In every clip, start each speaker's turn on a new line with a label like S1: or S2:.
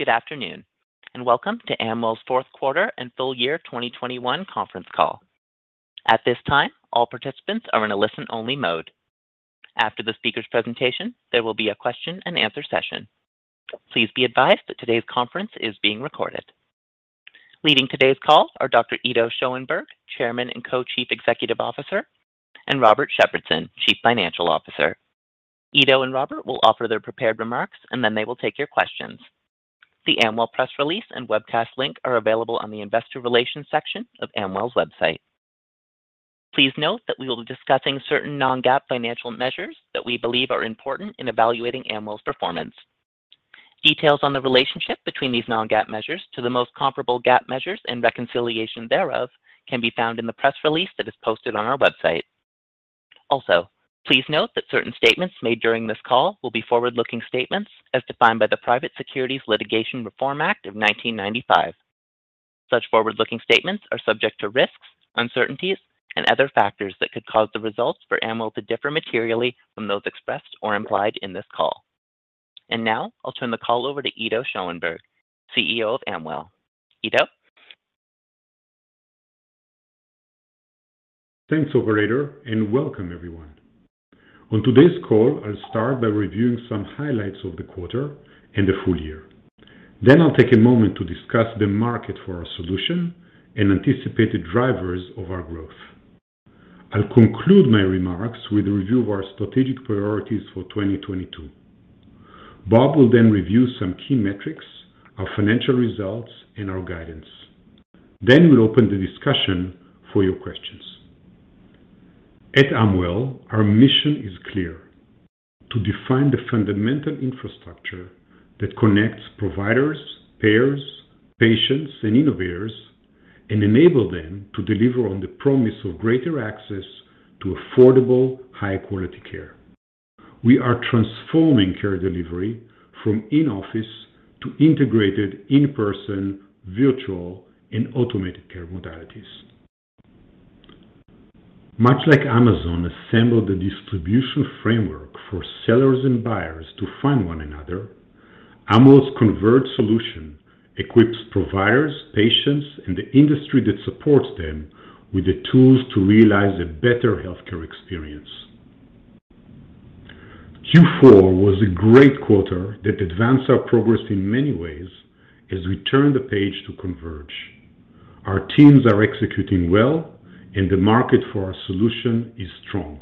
S1: Good afternoon, and welcome to Amwell's fourth quarter and full year 2021 conference call. At this time, all participants are in a listen-only mode. After the speaker's presentation, there will be a question-and-answer session. Please be advised that today's conference is being recorded. Leading today's call are Dr. Ido Schoenberg, Chairman and Co-Chief Executive Officer, and Robert Shepardson, Chief Financial Officer. Ido and Robert will offer their prepared remarks, and then they will take your questions. The Amwell press release and webcast link are available on the investor relations section of Amwell's website. Please note that we will be discussing certain non-GAAP financial measures that we believe are important in evaluating Amwell's performance. Details on the relationship between these non-GAAP measures to the most comparable GAAP measures and reconciliation thereof can be found in the press release that is posted on our website. Also, please note that certain statements made during this call will be forward-looking statements as defined by the Private Securities Litigation Reform Act of 1995. Such forward-looking statements are subject to risks, uncertainties, and other factors that could cause the results for Amwell to differ materially from those expressed or implied in this call. Now, I'll turn the call over to Ido Schoenberg, CEO of Amwell. Ido?
S2: Thanks, operator, and welcome everyone. On today's call, I'll start by reviewing some highlights of the quarter and the full year. I'll take a moment to discuss the market for our solution and anticipated drivers of our growth. I'll conclude my remarks with a review of our strategic priorities for 2022. Bob will then review some key metrics, our financial results, and our guidance. We'll open the discussion for your questions. At Amwell, our mission is clear: to define the fundamental infrastructure that connects providers, payers, patients, and innovators, and enable them to deliver on the promise of greater access to affordable, high-quality care. We are transforming care delivery from in-office to integrated in-person, virtual, and automated care modalities. Much like Amazon assembled the distribution framework for sellers and buyers to find one another, Amwell's Converge solution equips providers, patients, and the industry that supports them with the tools to realize a better healthcare experience. Q4 was a great quarter that advanced our progress in many ways as we turn the page to Converge. Our teams are executing well and the market for our solution is strong.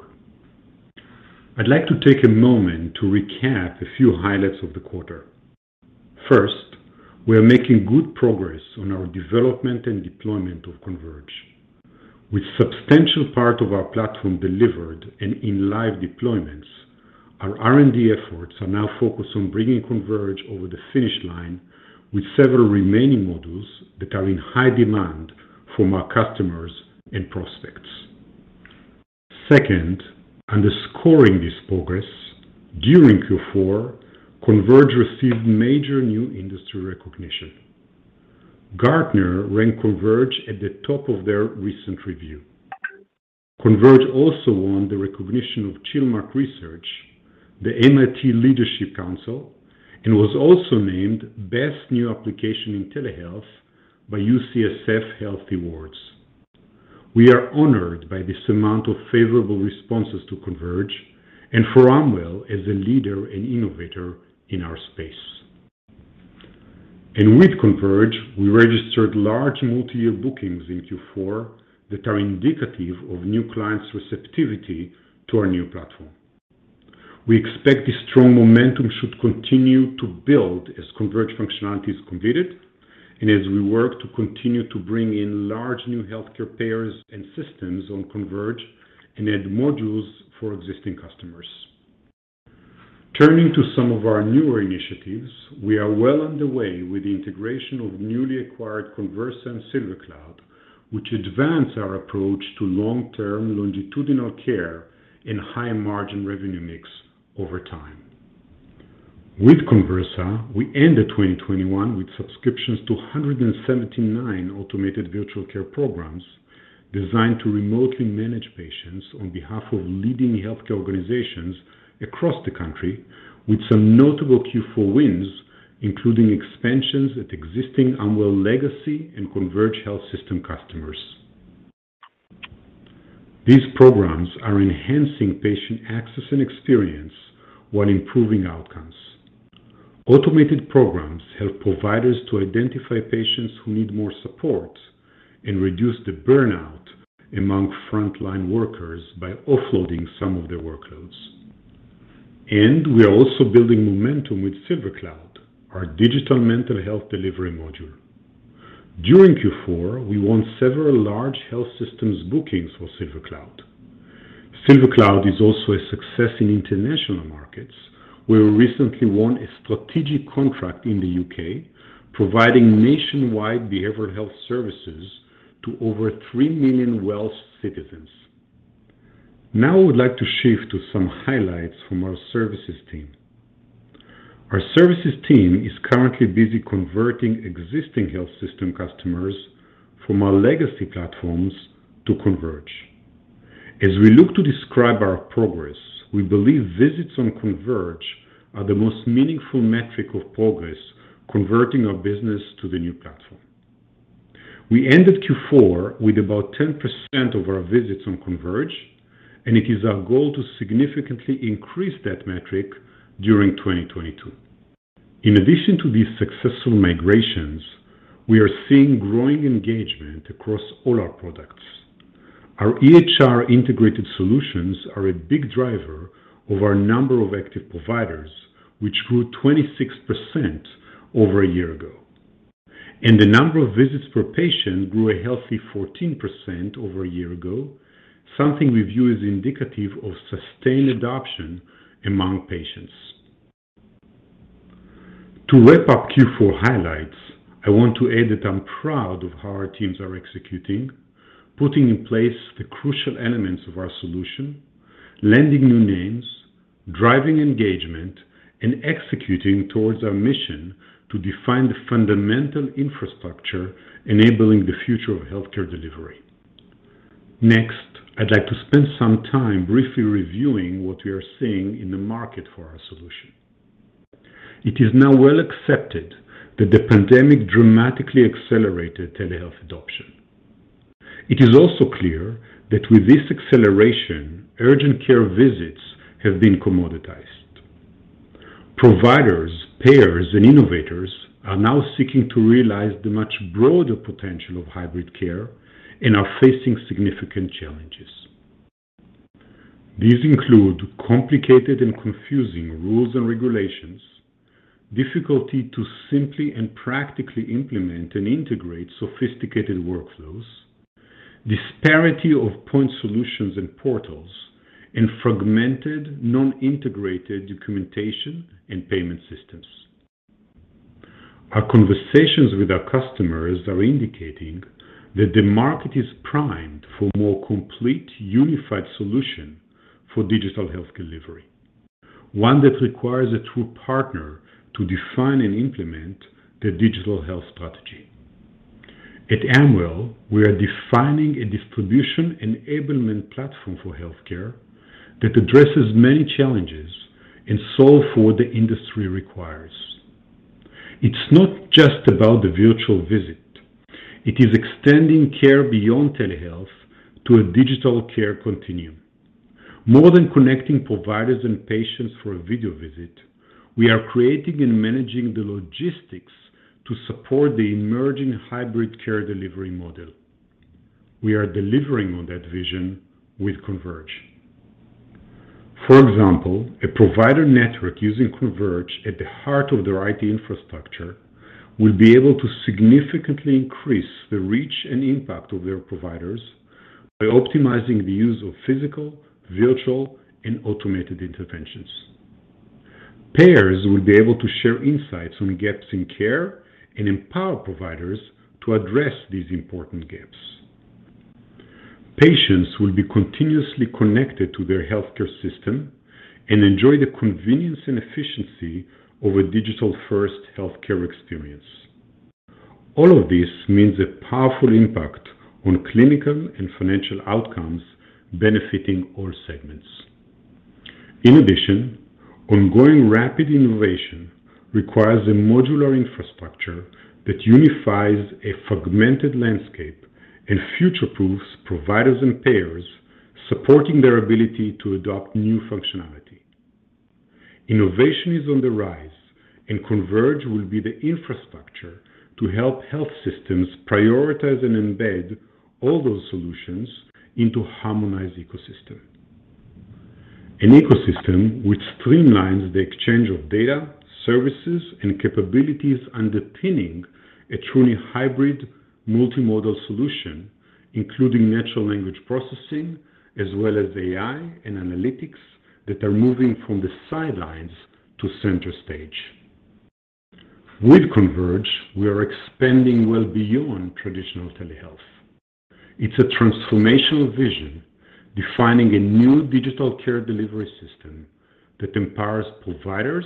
S2: I'd like to take a moment to recap a few highlights of the quarter. First, we are making good progress on our development and deployment of Converge. With substantial part of our platform delivered and in live deployments, our R&D efforts are now focused on bringing Converge over the finish line with several remaining modules that are in high demand from our customers and prospects. Second, underscoring this progress, during Q4, Converge received major new industry recognition. Gartner ranked Converge at the top of their recent review. Converge also won the recognition of Chilmark Research, the MIT Leadership Council, and was also named Best New Application in Telehealth by UCSF Health Awards. We are honored by this amount of favorable responses to Converge and for Amwell as a leader and innovator in our space. With Converge, we registered large multi-year bookings in Q4 that are indicative of new clients' receptivity to our new platform. We expect this strong momentum should continue to build as Converge functionality is completed and as we work to continue to bring in large new healthcare payers and systems on Converge and add modules for existing customers. Turning to some of our newer initiatives, we are well underway with the integration of newly acquired Conversa and SilverCloud, which advance our approach to long-term longitudinal care and high-margin revenue mix over time. With Conversa, we ended 2021 with subscriptions to 179 automated virtual care programs designed to remotely manage patients on behalf of leading healthcare organizations across the country with some notable Q4 wins, including expansions at existing Amwell legacy and Converge health system customers. These programs are enhancing patient access and experience while improving outcomes. Automated programs help providers to identify patients who need more support and reduce the burnout among frontline workers by offloading some of their workloads. We are also building momentum with SilverCloud, our digital mental health delivery module. During Q4, we won several large health systems bookings for SilverCloud. SilverCloud is also a success in international markets, where we recently won a strategic contract in the U.K. providing nationwide behavioral health services to over three million Welsh citizens. Now, I would like to shift to some highlights from our services team. Our services team is currently busy converting existing health system customers from our legacy platforms to Converge. As we look to describe our progress, we believe visits on Converge are the most meaningful metric of progress converting our business to the new platform. We ended Q4 with about 10% of our visits on Converge, and it is our goal to significantly increase that metric during 2022. In addition to these successful migrations, we are seeing growing engagement across all our products. Our EHR integrated solutions are a big driver of our number of active providers, which grew 26% over a year ago. The number of visits per patient grew a healthy 14% over a year ago, something we view as indicative of sustained adoption among patients. To wrap up Q4 highlights, I want to add that I'm proud of how our teams are executing, putting in place the crucial elements of our solution, landing new names, driving engagement, and executing towards our mission to define the fundamental infrastructure enabling the future of healthcare delivery. Next, I'd like to spend some time briefly reviewing what we are seeing in the market for our solution. It is now well accepted that the pandemic dramatically accelerated telehealth adoption. It is also clear that with this acceleration, urgent care visits have been commoditized. Providers, payers, and innovators are now seeking to realize the much broader potential of hybrid care and are facing significant challenges. These include complicated and confusing rules and regulations, difficulty to simply and practically implement and integrate sophisticated workflows, disparity of point solutions and portals, and fragmented non-integrated documentation and payment systems. Our conversations with our customers are indicating that the market is primed for more complete, unified solution for digital health delivery, one that requires a true partner to define and implement their digital health strategy. At Amwell, we are defining a distribution enablement platform for healthcare that addresses many challenges and solve for what the industry requires. It's not just about the virtual visit. It is extending care beyond telehealth to a digital care continuum. More than connecting providers and patients for a video visit, we are creating and managing the logistics to support the emerging hybrid care delivery model. We are delivering on that vision with Converge. For example, a provider network using Converge at the heart of their IT infrastructure will be able to significantly increase the reach and impact of their providers by optimizing the use of physical, virtual, and automated interventions. Payers will be able to share insights on gaps in care and empower providers to address these important gaps. Patients will be continuously connected to their healthcare system and enjoy the convenience and efficiency of a digital-first healthcare experience. All of this means a powerful impact on clinical and financial outcomes benefiting all segments. In addition, ongoing rapid innovation requires a modular infrastructure that unifies a fragmented landscape and future-proofs providers and payers, supporting their ability to adopt new functionality. Innovation is on the rise, and Converge will be the infrastructure to help health systems prioritize and embed all those solutions into harmonized ecosystem. An ecosystem which streamlines the exchange of data, services, and capabilities underpinning a truly hybrid multimodal solution, including natural language processing as well as AI and analytics that are moving from the sidelines to center stage. With Converge, we are expanding well beyond traditional telehealth. It's a transformational vision defining a new digital care delivery system that empowers providers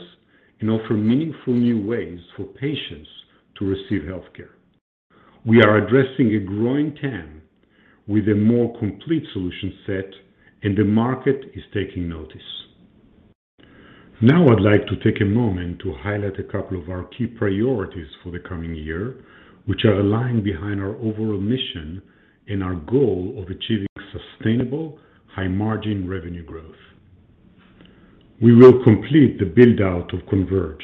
S2: and offer meaningful new ways for patients to receive healthcare. We are addressing a growing TAM with a more complete solution set, and the market is taking notice. Now I'd like to take a moment to highlight a couple of our key priorities for the coming year, which are aligned behind our overall mission and our goal of achieving sustainable high margin revenue growth. We will complete the build-out of Converge.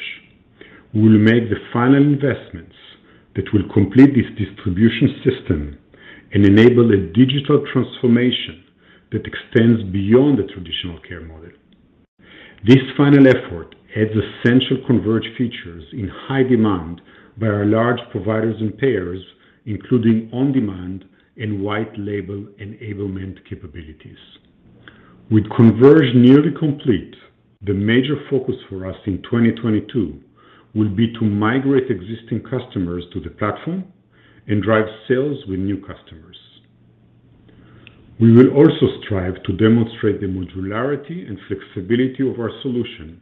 S2: We will make the final investments that will complete this distribution system and enable a digital transformation that extends beyond the traditional care model. This final effort adds essential Converge features in high demand by our large providers and payers, including on-demand and white label enablement capabilities. With Converge nearly complete, the major focus for us in 2022 will be to migrate existing customers to the platform and drive sales with new customers. We will also strive to demonstrate the modularity and flexibility of our solution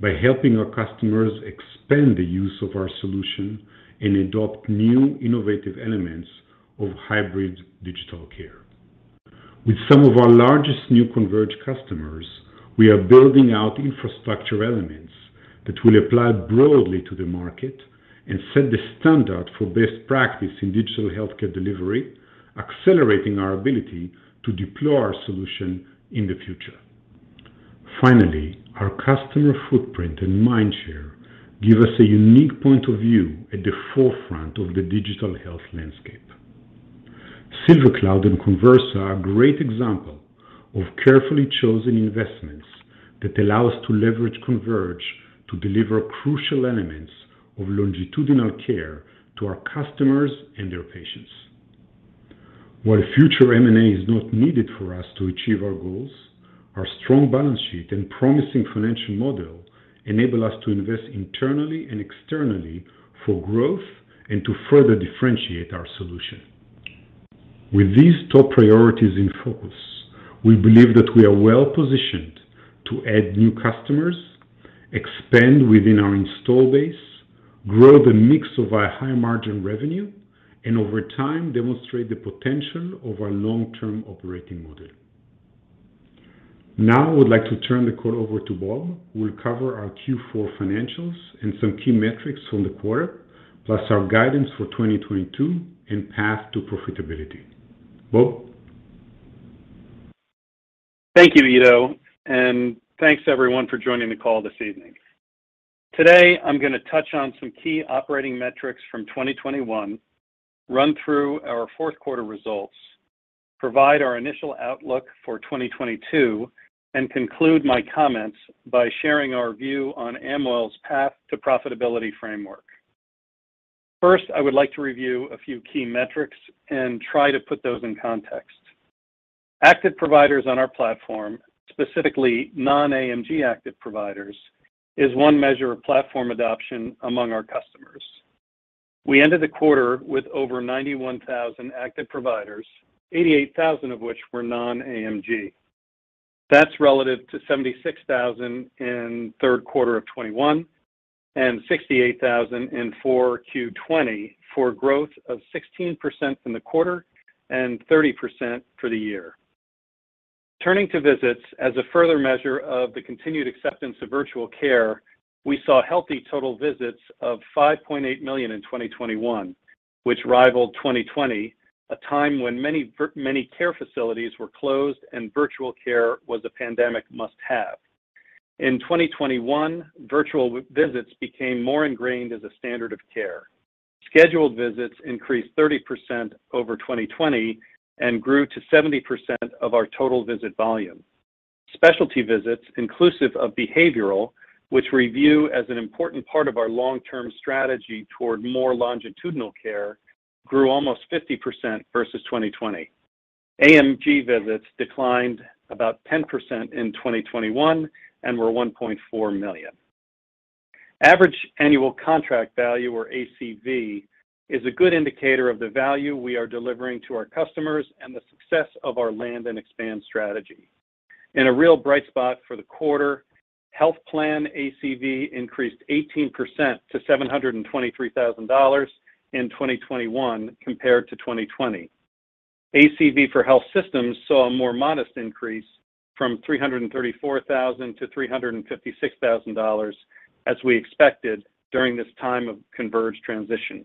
S2: by helping our customers expand the use of our solution and adopt new innovative elements of hybrid digital care. With some of our largest new Converge customers, we are building out infrastructure elements that will apply broadly to the market and set the standard for best practice in digital healthcare delivery, accelerating our ability to deploy our solution in the future. Finally, our customer footprint and mindshare give us a unique point of view at the forefront of the digital health landscape. SilverCloud and Conversa are great examples of carefully chosen investments that allow us to leverage Converge to deliver crucial elements of longitudinal care to our customers and their patients. While future M&A is not needed for us to achieve our goals, our strong balance sheet and promising financial model enable us to invest internally and externally for growth and to further differentiate our solution. With these top priorities in focus, we believe that we are well-positioned to add new customers, expand within our installed base, grow the mix of our high-margin revenue, and over time, demonstrate the potential of our long-term operating model. Now, I would like to turn the call over to Bob, who will cover our Q4 financials and some key metrics from the quarter, plus our guidance for 2022 and path to profitability. Bob?
S3: Thank you, Ido, and thanks everyone for joining the call this evening. Today, I'm gonna touch on some key operating metrics from 2021, run through our fourth quarter results, provide our initial outlook for 2022, and conclude my comments by sharing our view on Amwell's path to profitability framework. First, I would like to review a few key metrics and try to put those in context. Active providers on our platform, specifically non-AMG active providers, is one measure of platform adoption among our customers. We ended the quarter with over 91,000 active providers, 88,000 of which were non-AMG. That's relative to 76,000 in third quarter of 2021, and 68,000 in 4Q 2020 for growth of 16% in the quarter and 30% for the year. Turning to visits as a further measure of the continued acceptance of virtual care, we saw healthy total visits of 5.8 million in 2021, which rivaled 2020, a time when many care facilities were closed and virtual care was a pandemic must-have. In 2021, virtual visits became more ingrained as a standard of care. Scheduled visits increased 30% over 2020 and grew to 70% of our total visit volume. Specialty visits, inclusive of behavioral, which we view as an important part of our long-term strategy toward more longitudinal care, grew almost 50% versus 2020. AMG visits declined about 10% in 2021 and were 1.4 million. Average annual contract value or ACV is a good indicator of the value we are delivering to our customers and the success of our land and expand strategy. In a real bright spot for the quarter, health plan ACV increased 18% to $723,000 in 2021 compared to 2020. ACV for health systems saw a more modest increase from $334,000 to $356,000 as we expected during this time of Converge transition.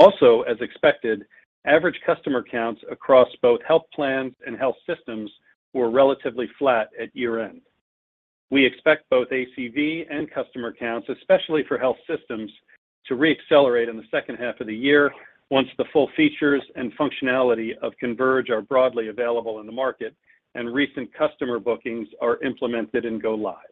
S3: Also, as expected, average customer counts across both health plans and health systems were relatively flat at year-end. We expect both ACV and customer counts, especially for health systems, to re-accelerate in the second half of the year once the full features and functionality of Converge are broadly available in the market and recent customer bookings are implemented and go live.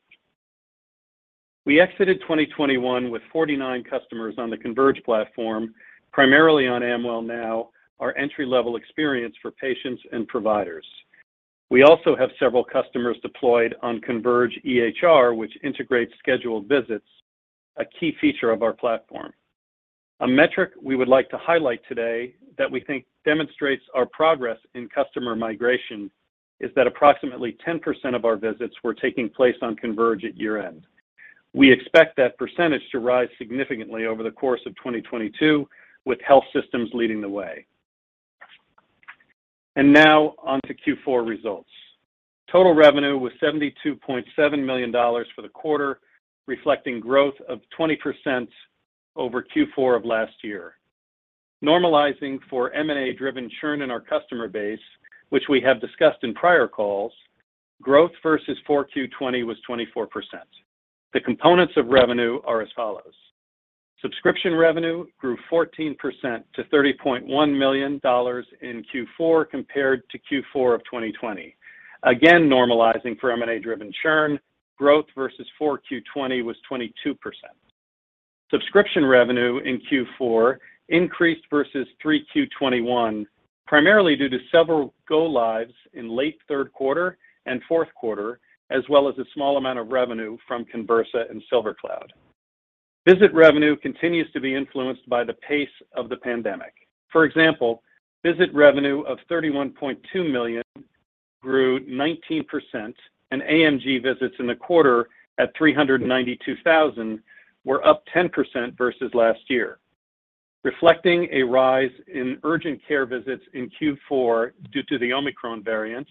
S3: We exited 2021 with 49 customers on the Converge platform, primarily on Amwell Now, our entry-level experience for patients and providers. We also have several customers deployed on Converge EHR, which integrates scheduled visits, a key feature of our platform. A metric we would like to highlight today that we think demonstrates our progress in customer migration is that approximately 10% of our visits were taking place on Converge at year-end. We expect that percentage to rise significantly over the course of 2022 with health systems leading the way. Now onto Q4 results. Total revenue was $72.7 million for the quarter, reflecting growth of 20% over Q4 of last year. Normalizing for M&A-driven churn in our customer base, which we have discussed in prior calls, growth versus Q4 2020 was 24%. The components of revenue are as follows. Subscription revenue grew 14% to $30.1 million in Q4 compared to Q4 of 2020. Again, normalizing for M&A-driven churn, growth versus Q4 2020 was 22%. Subscription revenue in Q4 increased versus Q3 2021, primarily due to several go-lives in late third quarter and fourth quarter, as well as a small amount of revenue from Conversa and SilverCloud. Visit revenue continues to be influenced by the pace of the pandemic. For example, visit revenue of $31.2 million grew 19% and AMG visits in the quarter at 392,000 were up 10% versus last year. Reflecting a rise in urgent care visits in Q4 due to the Omicron variant,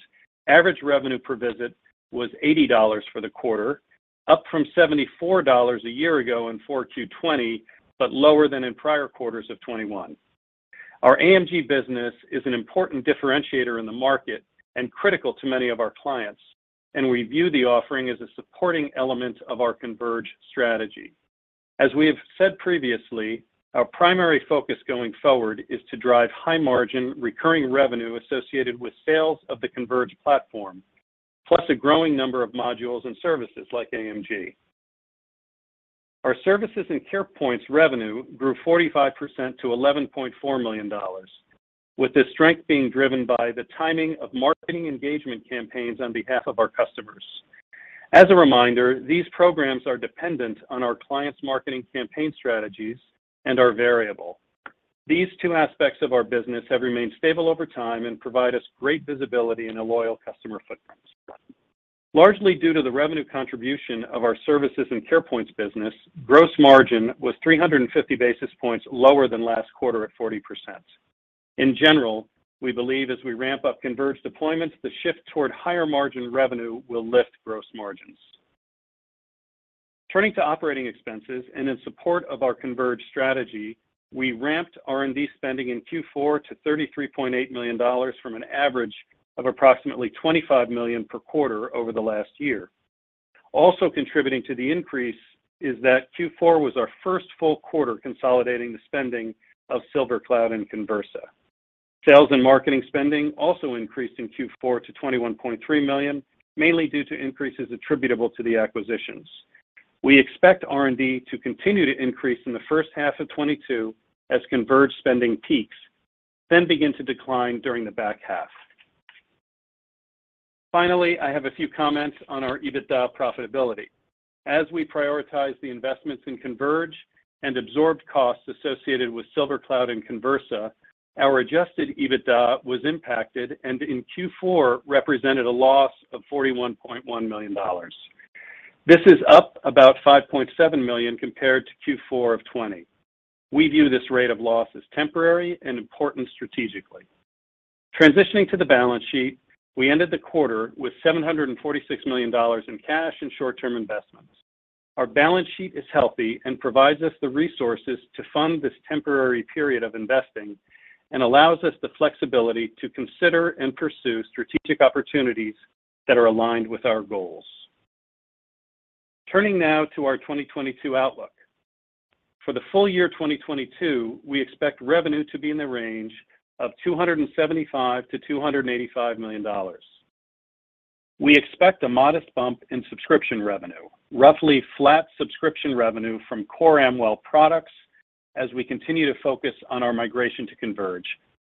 S3: average revenue per visit was $80 for the quarter, up from $74 a year ago in Q4 2020, but lower than in prior quarters of 2021. Our AMG business is an important differentiator in the market and critical to many of our clients, and we view the offering as a supporting element of our Converge strategy. As we have said previously, our primary focus going forward is to drive high margin recurring revenue associated with sales of the Converge platform, plus a growing number of modules and services like AMG. Our services and Carepoint's revenue grew 45% to $11.4 million, with the strength being driven by the timing of marketing engagement campaigns on behalf of our customers. As a reminder, these programs are dependent on our client's marketing campaign strategies and are variable. These two aspects of our business have remained stable over time and provide us great visibility and a loyal customer footprint. Largely due to the revenue contribution of our services and Carepoint business, gross margin was 350 basis points lower than last quarter at 40%. In general, we believe as we ramp up Converge deployments, the shift toward higher margin revenue will lift gross margins. Turning to operating expenses and in support of our Converge strategy, we ramped R&D spending in Q4 to $33.8 million from an average of approximately $25 million per quarter over the last year. Also contributing to the increase is that Q4 was our first full quarter consolidating the spending of SilverCloud and Conversa. Sales and marketing spending also increased in Q4 to $21.3 million, mainly due to increases attributable to the acquisitions. We expect R&D to continue to increase in the first half of 2022 as Converge spending peaks, then begin to decline during the back half. Finally, I have a few comments on our EBITDA profitability. As we prioritize the investments in Converge and absorbed costs associated with SilverCloud and Conversa, our adjusted EBITDA was impacted, and in Q4 represented a loss of $41.1 million. This is up about $5.7 million compared to Q4 of 2020. We view this rate of loss as temporary and important strategically. Transitioning to the balance sheet, we ended the quarter with $746 million in cash and short-term investments. Our balance sheet is healthy and provides us the resources to fund this temporary period of investing and allows us the flexibility to consider and pursue strategic opportunities that are aligned with our goals. Turning now to our 2022 outlook. For the full year 2022, we expect revenue to be in the range of $275 million-$285 million. We expect a modest bump in subscription revenue, roughly flat subscription revenue from core Amwell products as we continue to focus on our migration to Converge,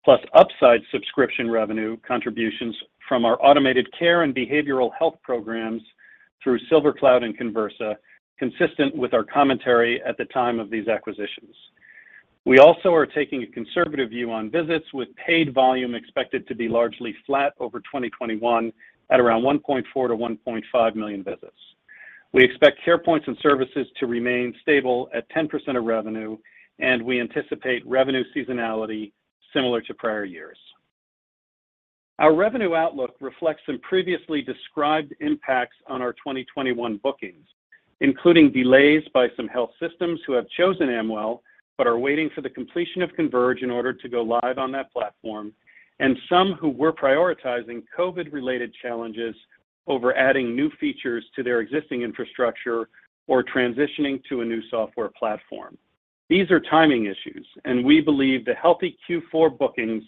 S3: plus upside subscription revenue contributions from our automated care and behavioral health programs through SilverCloud and Conversa, consistent with our commentary at the time of these acquisitions. We also are taking a conservative view on visits, with paid volume expected to be largely flat over 2021 at around 1.4 million-1.5 million visits. We expect Carepoint and services to remain stable at 10% of revenue, and we anticipate revenue seasonality similar to prior years. Our revenue outlook reflects some previously described impacts on our 2021 bookings, including delays by some health systems who have chosen Amwell, but are waiting for the completion of Converge in order to go live on that platform, and some who were prioritizing COVID-related challenges over adding new features to their existing infrastructure or transitioning to a new software platform. These are timing issues, and we believe the healthy Q4 bookings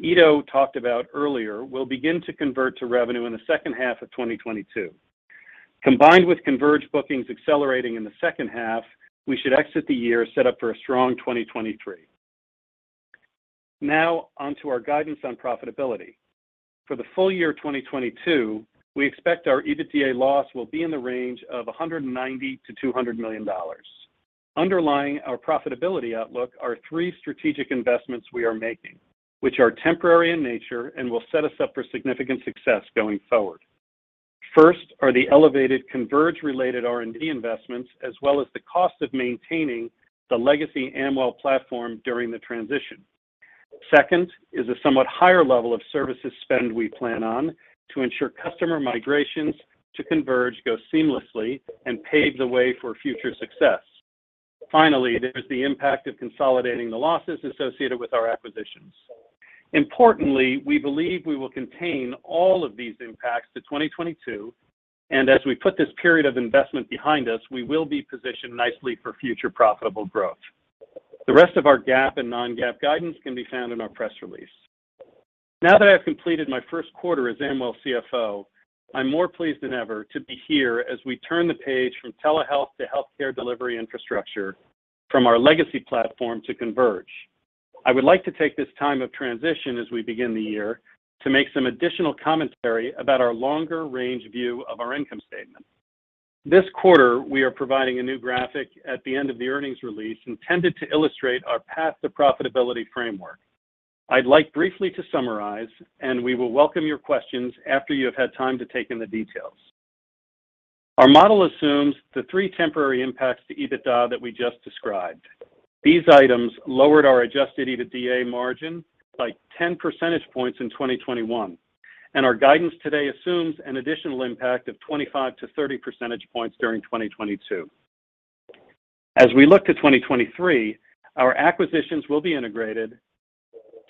S3: Ido talked about earlier will begin to convert to revenue in the second half of 2022. Combined with Converge bookings accelerating in the second half, we should exit the year set up for a strong 2023. Now on to our guidance on profitability. For the full year 2022, we expect our EBITDA loss will be in the range of $190 million-$200 million. Underlying our profitability outlook are three strategic investments we are making, which are temporary in nature and will set us up for significant success going forward. First are the elevated Converge-related R&D investments, as well as the cost of maintaining the legacy Amwell platform during the transition. Second is a somewhat higher level of services spend we plan on to ensure customer migrations to Converge go seamlessly and pave the way for future success. Finally, there's the impact of consolidating the losses associated with our acquisitions. Importantly, we believe we will contain all of these impacts to 2022, and as we put this period of investment behind us, we will be positioned nicely for future profitable growth. The rest of our GAAP and non-GAAP guidance can be found in our press release. Now that I've completed my first quarter as Amwell CFO, I'm more pleased than ever to be here as we turn the page from telehealth to healthcare delivery infrastructure from our legacy platform to Converge. I would like to take this time of transition as we begin the year to make some additional commentary about our longer-range view of our income statement. This quarter, we are providing a new graphic at the end of the earnings release intended to illustrate our path to profitability framework. I'd like briefly to summarize, and we will welcome your questions after you have had time to take in the details. Our model assumes the three temporary impacts to EBITDA that we just described. These items lowered our adjusted EBITDA margin by 10 percentage points in 2021, and our guidance today assumes an additional impact of 25-30 percentage points during 2022. As we look to 2023, our acquisitions will be integrated,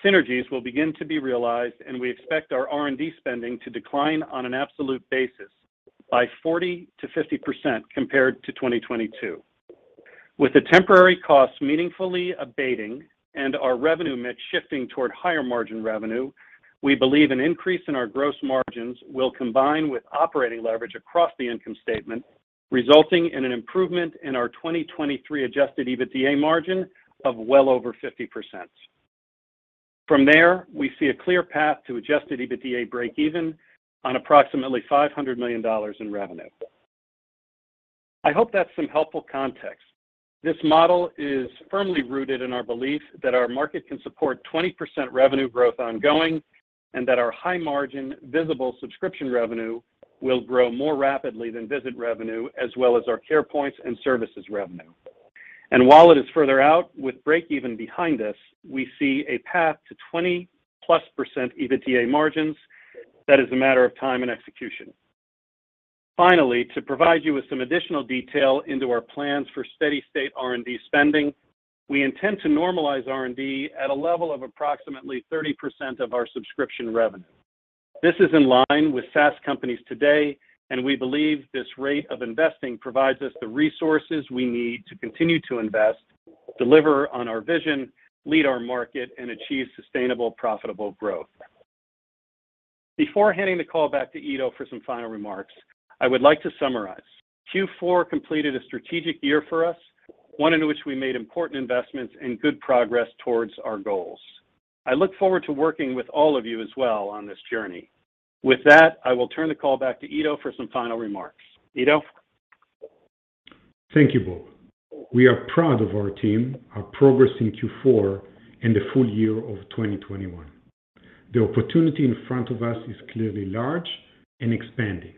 S3: synergies will begin to be realized, and we expect our R&D spending to decline on an absolute basis by 40%-50% compared to 2022. With the temporary costs meaningfully abating and our revenue mix shifting toward higher margin revenue, we believe an increase in our gross margins will combine with operating leverage across the income statement, resulting in an improvement in our 2023 adjusted EBITDA margin of well over 50%. From there, we see a clear path to adjusted EBITDA breakeven on approximately $500 million in revenue. I hope that's some helpful context. This model is firmly rooted in our belief that our market can support 20% revenue growth ongoing and that our high margin visible subscription revenue will grow more rapidly than visit revenue as well as our Carepoint and services revenue. While it is further out with breakeven behind us, we see a path to 20%+ EBITDA margins that is a matter of time and execution. Finally, to provide you with some additional detail into our plans for steady-state R&D spending, we intend to normalize R&D at a level of approximately 30% of our subscription revenue. This is in line with SaaS companies today, and we believe this rate of investing provides us the resources we need to continue to invest, deliver on our vision, lead our market, and achieve sustainable, profitable growth. Before handing the call back to Ido for some final remarks, I would like to summarize. Q4 completed a strategic year for us, one in which we made important investments and good progress towards our goals. I look forward to working with all of you as well on this journey. With that, I will turn the call back to Ido for some final remarks. Ido?
S2: Thank you, Bob. We are proud of our team, our progress in Q4, and the full year of 2021. The opportunity in front of us is clearly large and expanding.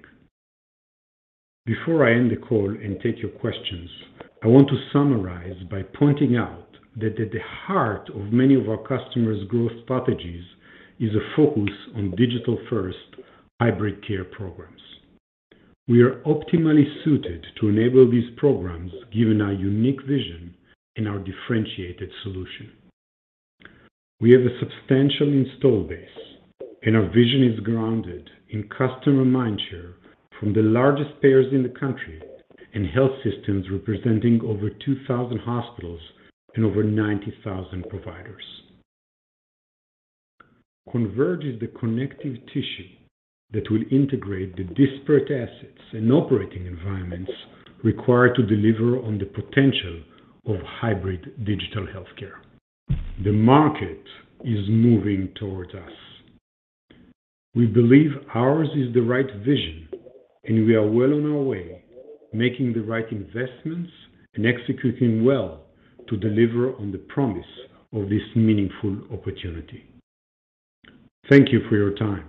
S2: Before I end the call and take your questions, I want to summarize by pointing out that at the heart of many of our customers' growth strategies is a focus on digital-first hybrid care programs. We are optimally suited to enable these programs, given our unique vision and our differentiated solution. We have a substantial install base, and our vision is grounded in customer mindshare from the largest payers in the country and health systems representing over 2,000 hospitals and over 90,000 providers. Converge is the connective tissue that will integrate the disparate assets and operating environments required to deliver on the potential of hybrid digital healthcare. The market is moving towards us. We believe ours is the right vision, and we are well on our way, making the right investments and executing well to deliver on the promise of this meaningful opportunity. Thank you for your time.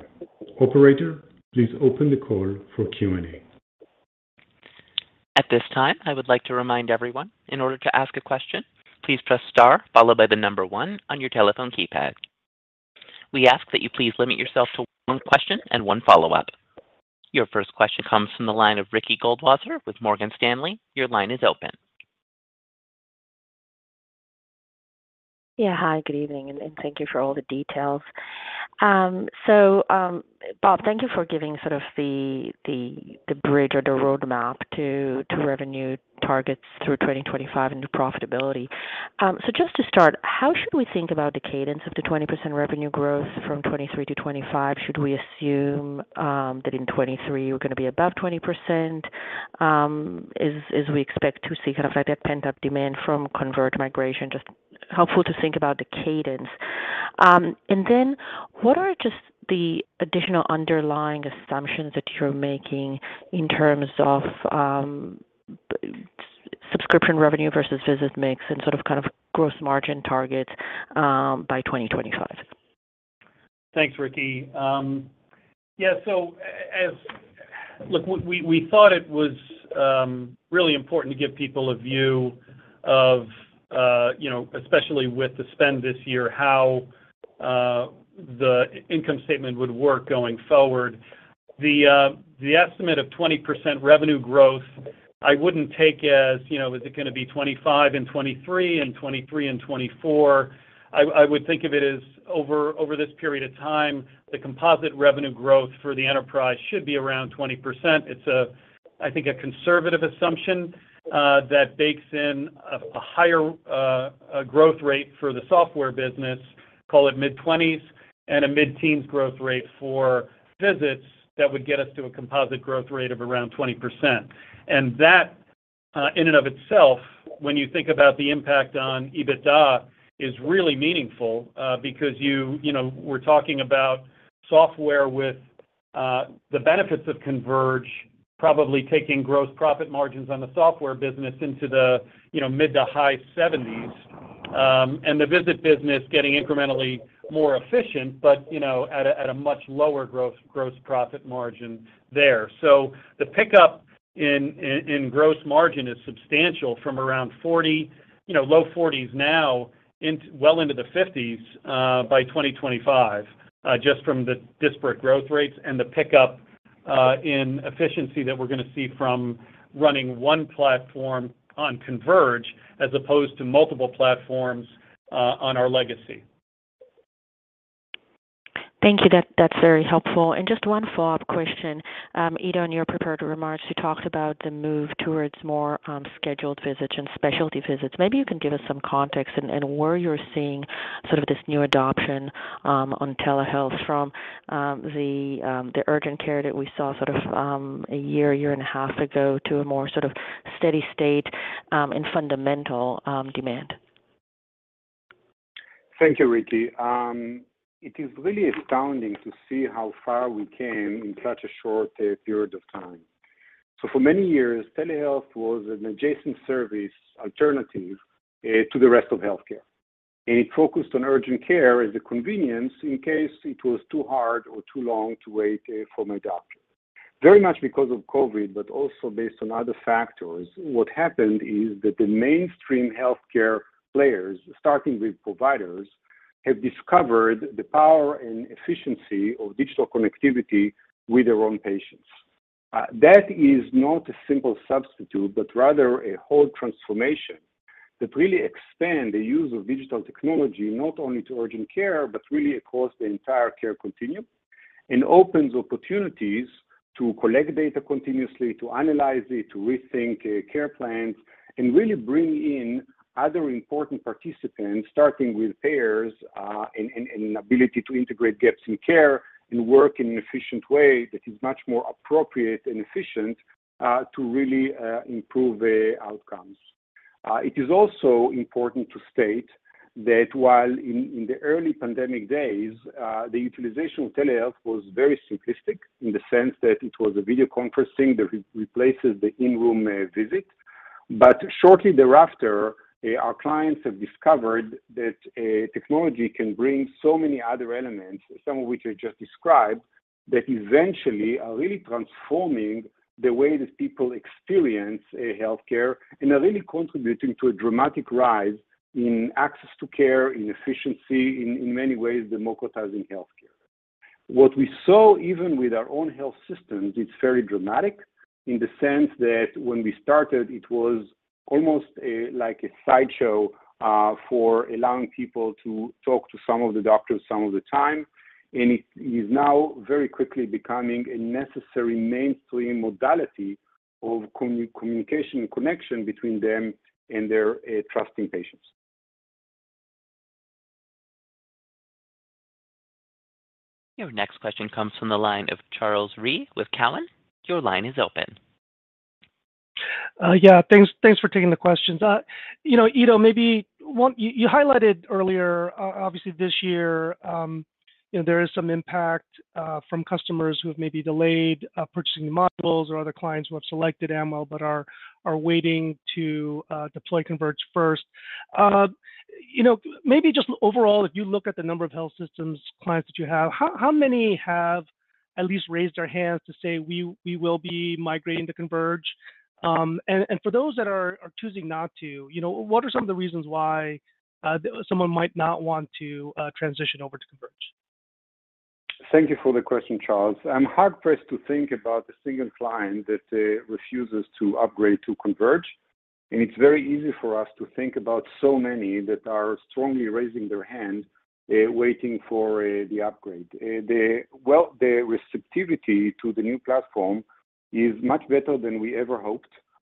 S2: Operator, please open the call for Q&A.
S1: At this time, I would like to remind everyone in order to ask a question, please press star followed by the number one on your telephone keypad. We ask that you please limit yourself to one question and one follow-up. Your first question comes from the line of Ricky Goldwasser with Morgan Stanley. Your line is open.
S4: Yeah. Hi, good evening, and thank you for all the details. Bob, thank you for giving sort of the bridge or the roadmap to revenue targets through 2025 into profitability. Just to start, how should we think about the cadence of the 20% revenue growth from 2023 to 2025? Should we assume that in 2023 you're gonna be above 20%? Or, as we expect to see kind of like a pent-up demand from Converge migration, it would be helpful to think about the cadence. What are just the additional underlying assumptions that you're making in terms of subscription revenue versus visit mix and sort of gross margin targets by 2025?
S3: Thanks, Ricky. Yeah. Look, we thought it was really important to give people a view of, you know, especially with the spend this year, how the income statement would work going forward. The estimate of 20% revenue growth I wouldn't take as, you know, is it gonna be 25 in 2023 and 23 in 2024. I would think of it as over this period of time, the composite revenue growth for the enterprise should be around 20%. It's, I think, a conservative assumption that bakes in a higher growth rate for the software business, call it mid-20s, and a mid-teens growth rate for visits that would get us to a composite growth rate of around 20%. That, in and of itself, when you think about the impact on EBITDA, is really meaningful, because you know, we're talking about software with the benefits of Converge probably taking gross profit margins on the software business into the mid- to high 70s%. And the visit business getting incrementally more efficient, but you know, at a much lower gross profit margin there. So the pickup in gross margin is substantial from around 40%, low 40s% now, well into the 50s% by 2025, just from the disparate growth rates and the pickup in efficiency that we're gonna see from running one platform on Converge as opposed to multiple platforms on our legacy.
S4: Thank you. That's very helpful. Just one follow-up question. Ido, in your prepared remarks, you talked about the move towards more scheduled visits and specialty visits. Maybe you can give us some context and where you're seeing sort of this new adoption on telehealth from the urgent care that we saw sort of a year and a half ago, to a more sort of steady-state and fundamental demand.
S2: Thank you, Ricky. It is really astounding to see how far we came in such a short period of time. For many years, telehealth was an adjacent service alternative to the rest of healthcare, and it focused on urgent care as a convenience in case it was too hard or too long to wait for my doctor. Very much because of COVID, but also based on other factors, what happened is that the mainstream healthcare players, starting with providers, have discovered the power and efficiency of digital connectivity with their own patients. That is not a simple substitute, but rather a whole transformation that really expand the use of digital technology, not only to urgent care, but really across the entire care continuum, and opens opportunities to collect data continuously, to analyze it, to rethink care plans, and really bring in other important participants, starting with payers, and an ability to integrate gaps in care and work in an efficient way that is much more appropriate and efficient to really improve the outcomes. It is also important to state that while in the early pandemic days, the utilization of telehealth was very simplistic in the sense that it was a video conferencing that replaces the in-room visit. Shortly thereafter, our clients have discovered that, technology can bring so many other elements, some of which I just described, that eventually are really transforming the way that people experience, healthcare and are really contributing to a dramatic rise in access to care, in efficiency, in many ways democratizing healthcare. What we saw, even with our own health systems, it's very dramatic in the sense that when we started, it was almost, like a sideshow, for allowing people to talk to some of the doctors some of the time. It is now very quickly becoming a necessary mainstream modality of communication connection between them and their, trusting patients.
S1: Your next question comes from the line of Charles Rhyee with Cowen. Your line is open.
S5: Yeah. Thanks for taking the questions. You know, Ido, maybe one you highlighted earlier, obviously this year, you know, there is some impact from customers who have maybe delayed purchasing the modules or other clients who have selected Amwell but are waiting to deploy Converge first. You know, maybe just overall, if you look at the number of health systems clients that you have, how many have at least raised their hands to say, "We will be migrating to Converge"? And for those that are choosing not to, you know, what are some of the reasons why someone might not want to transition over to Converge?
S2: Thank you for the question, Charles. I'm hard-pressed to think about a single client that refuses to upgrade to Converge, and it's very easy for us to think about so many that are strongly raising their hand waiting for the upgrade. The receptivity to the new platform is much better than we ever hoped.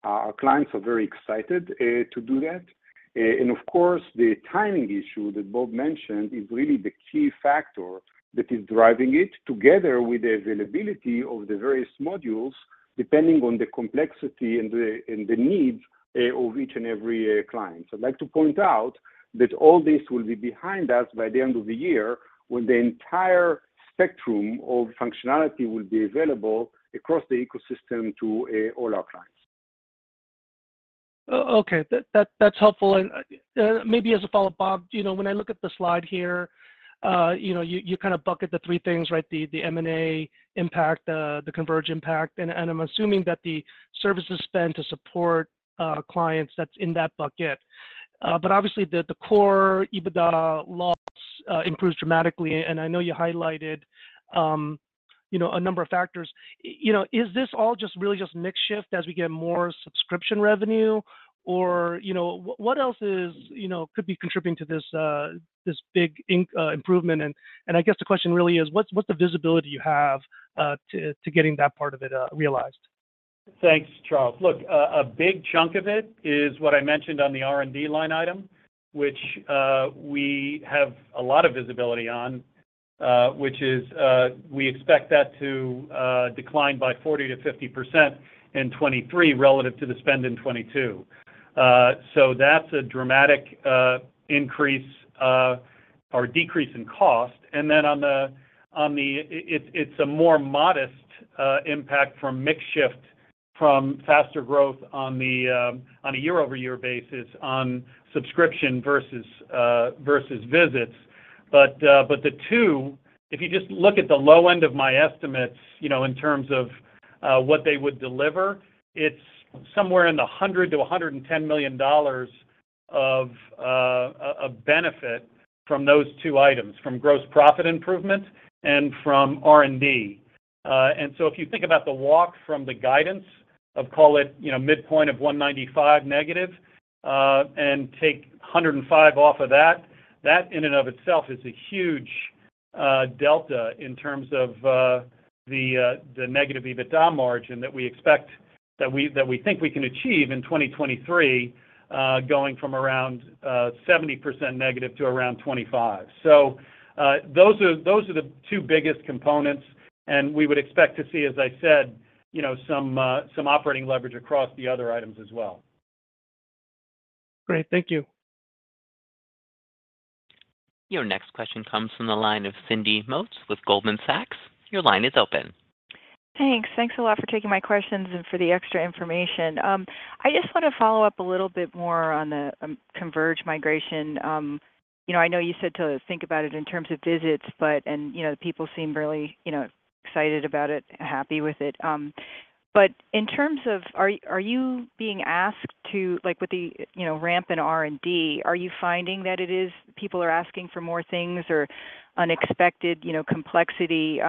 S2: Our clients are very excited to do that. Of course, the timing issue that Bob mentioned is really the key factor that is driving it together with the availability of the various modules, depending on the complexity and the needs of each and every client. I'd like to point out that all this will be behind us by the end of the year, when the entire spectrum of functionality will be available across the ecosystem to all our clients.
S5: Okay. That's helpful. Maybe as a follow-up, Bob, you know, when I look at the slide here, you know, you kinda bucket the three things, right? The M&A impact, the Converge impact, and I'm assuming that the services spend to support clients, that's in that bucket. But obviously the core EBITDA loss improved dramatically, and I know you highlighted you know, a number of factors. You know, is this all just really just mix shift as we get more subscription revenue? Or you know, what else could be contributing to this big improvement? I guess the question really is. What's the visibility you have to getting that part of it realized?
S3: Thanks, Charles. Look, a big chunk of it is what I mentioned on the R&D line item which we have a lot of visibility on, which is we expect that to decline by 40%-50% in 2023 relative to the spend in 2022. That's a dramatic increase or decrease in cost. It's a more modest impact from mix shift from faster growth on a year-over-year basis on subscription versus visits. The two, if you just look at the low end of my estimates, you know, in terms of what they would deliver, it's somewhere in the $100 million-$110 million of benefit from those two items, from gross profit improvement and from R&D. If you think about the walk from the guidance of, call it, you know, midpoint of 195 negative, and take 105 off of that in and of itself is a huge delta in terms of the negative EBITDA margin that we expect that we think we can achieve in 2023, going from around 70% negative to around 25. Those are the two biggest components, and we would expect to see, as I said, you know, some operating leverage across the other items as well.
S5: Great. Thank you.
S1: Your next question comes from the line of Sandy Draper with Guggenheim Securities. Your line is open.
S6: Thanks. Thanks a lot for taking my questions and for the extra information. I just wanna follow up a little bit more on the Converge migration. You know, I know you said to think about it in terms of visits, but you know, people seem really, you know, excited about it, happy with it. In terms of, are you being asked to, like, with the, you know, ramp in R&D, are you finding that it is people are asking for more things or unexpected, you know, complexity?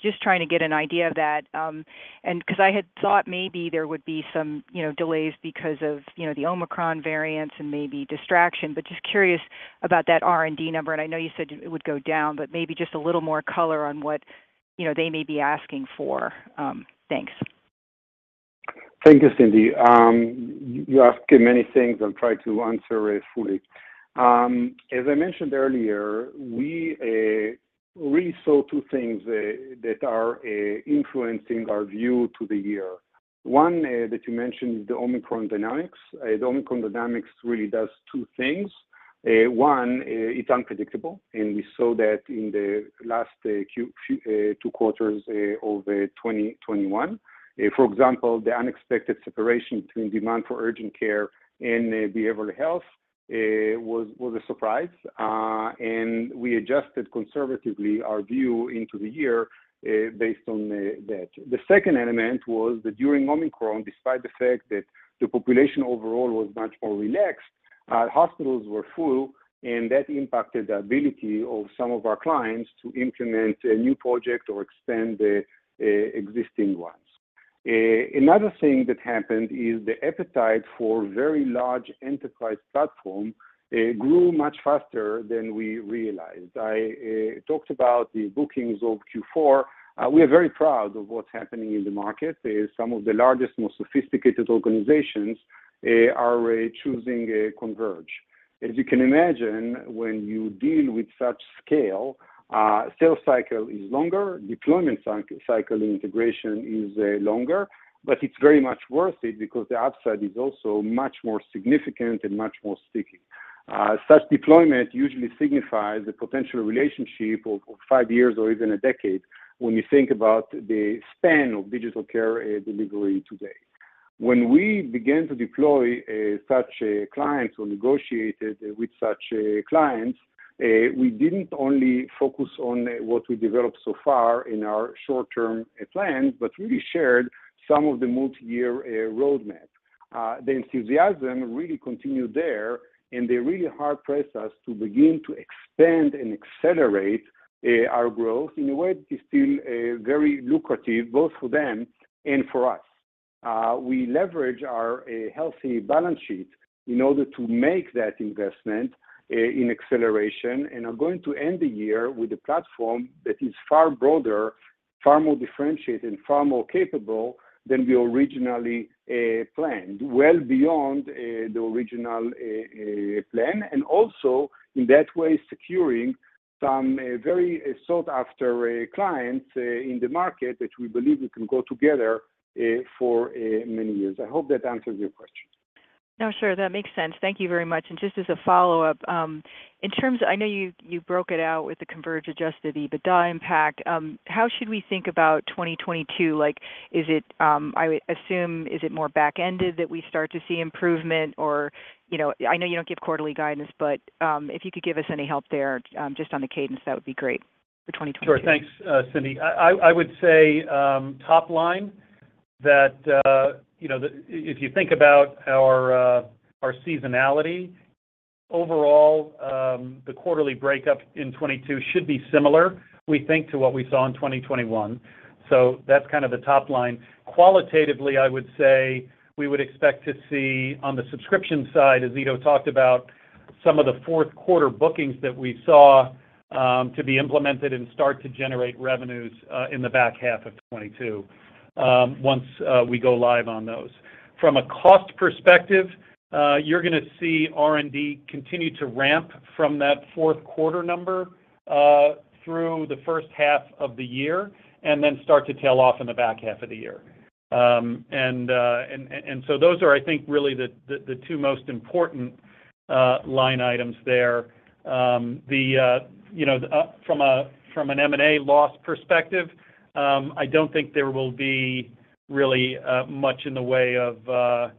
S6: Just trying to get an idea of that, and because I had thought maybe there would be some, you know, delays because of, you know, the Omicron variant and maybe distraction. Just curious about that R&D number. I know you said it would go down, but maybe just a little more color on what, you know, they may be asking for. Thanks.
S2: Thank you, Sandy. You're asking many things. I'll try to answer it fully. As I mentioned earlier, we really saw two things that are influencing our view to the year. One that you mentioned is the Omicron dynamics. The Omicron dynamics really does two things. One, it's unpredictable, and we saw that in the last few two quarters of 2021. For example, the unexpected separation between demand for urgent care and behavioral health was a surprise. We adjusted conservatively our view into the year based on that. The second element was that during Omicron, despite the fact that the population overall was much more relaxed, hospitals were full, and that impacted the ability of some of our clients to implement a new project or extend the existing ones. Another thing that happened is the appetite for very large enterprise platform grew much faster than we realized. I talked about the bookings of Q4. We are very proud of what's happening in the market. Some of the largest, most sophisticated organizations are choosing Converge. As you can imagine, when you deal with such scale, sales cycle is longer, deployment cycle integration is longer, but it's very much worth it because the upside is also much more significant and much more sticky. Such deployment usually signifies a potential relationship of five years or even a decade when you think about the span of digital care delivery today. When we began to deploy such clients or negotiated with such clients, we didn't only focus on what we developed so far in our short-term plans, but really shared some of the multiyear roadmap. The enthusiasm really continued there, and they really hard-pressed us to begin to expand and accelerate our growth in a way that is still very lucrative both for them and for us. We leverage our healthy balance sheet in order to make that investment in acceleration, and are going to end the year with a platform that is far broader, far more differentiated, and far more capable than we originally planned, well beyond the original plan. Also, in that way, securing some very sought-after clients in the market that we believe we can go together for many years. I hope that answers your question.
S6: No, sure. That makes sense. Thank you very much. Just as a follow-up, I know you broke it out with the Converge adjusted EBITDA impact. How should we think about 2022? Like, I would assume, is it more back-ended that we start to see improvement or, you know. I know you don't give quarterly guidance, but, if you could give us any help there, just on the cadence, that would be great for 2022.
S3: Sure. Thanks, Sandy. I would say, top line, that if you think about our seasonality overall, the quarterly breakup in 2022 should be similar, we think, to what we saw in 2021. So that's kind of the top line. Qualitatively, I would say we would expect to see on the subscription side, as Ido talked about, some of the fourth quarter bookings that we saw to be implemented and start to generate revenues in the back half of 2022, once we go live on those. From a cost perspective, you're gonna see R&D continue to ramp from that fourth quarter number through the first half of the year, and then start to tail off in the back half of the year. Those are, I think, really the two most important line items there. You know, from an M&A loss perspective, I don't think there will be really much in the way of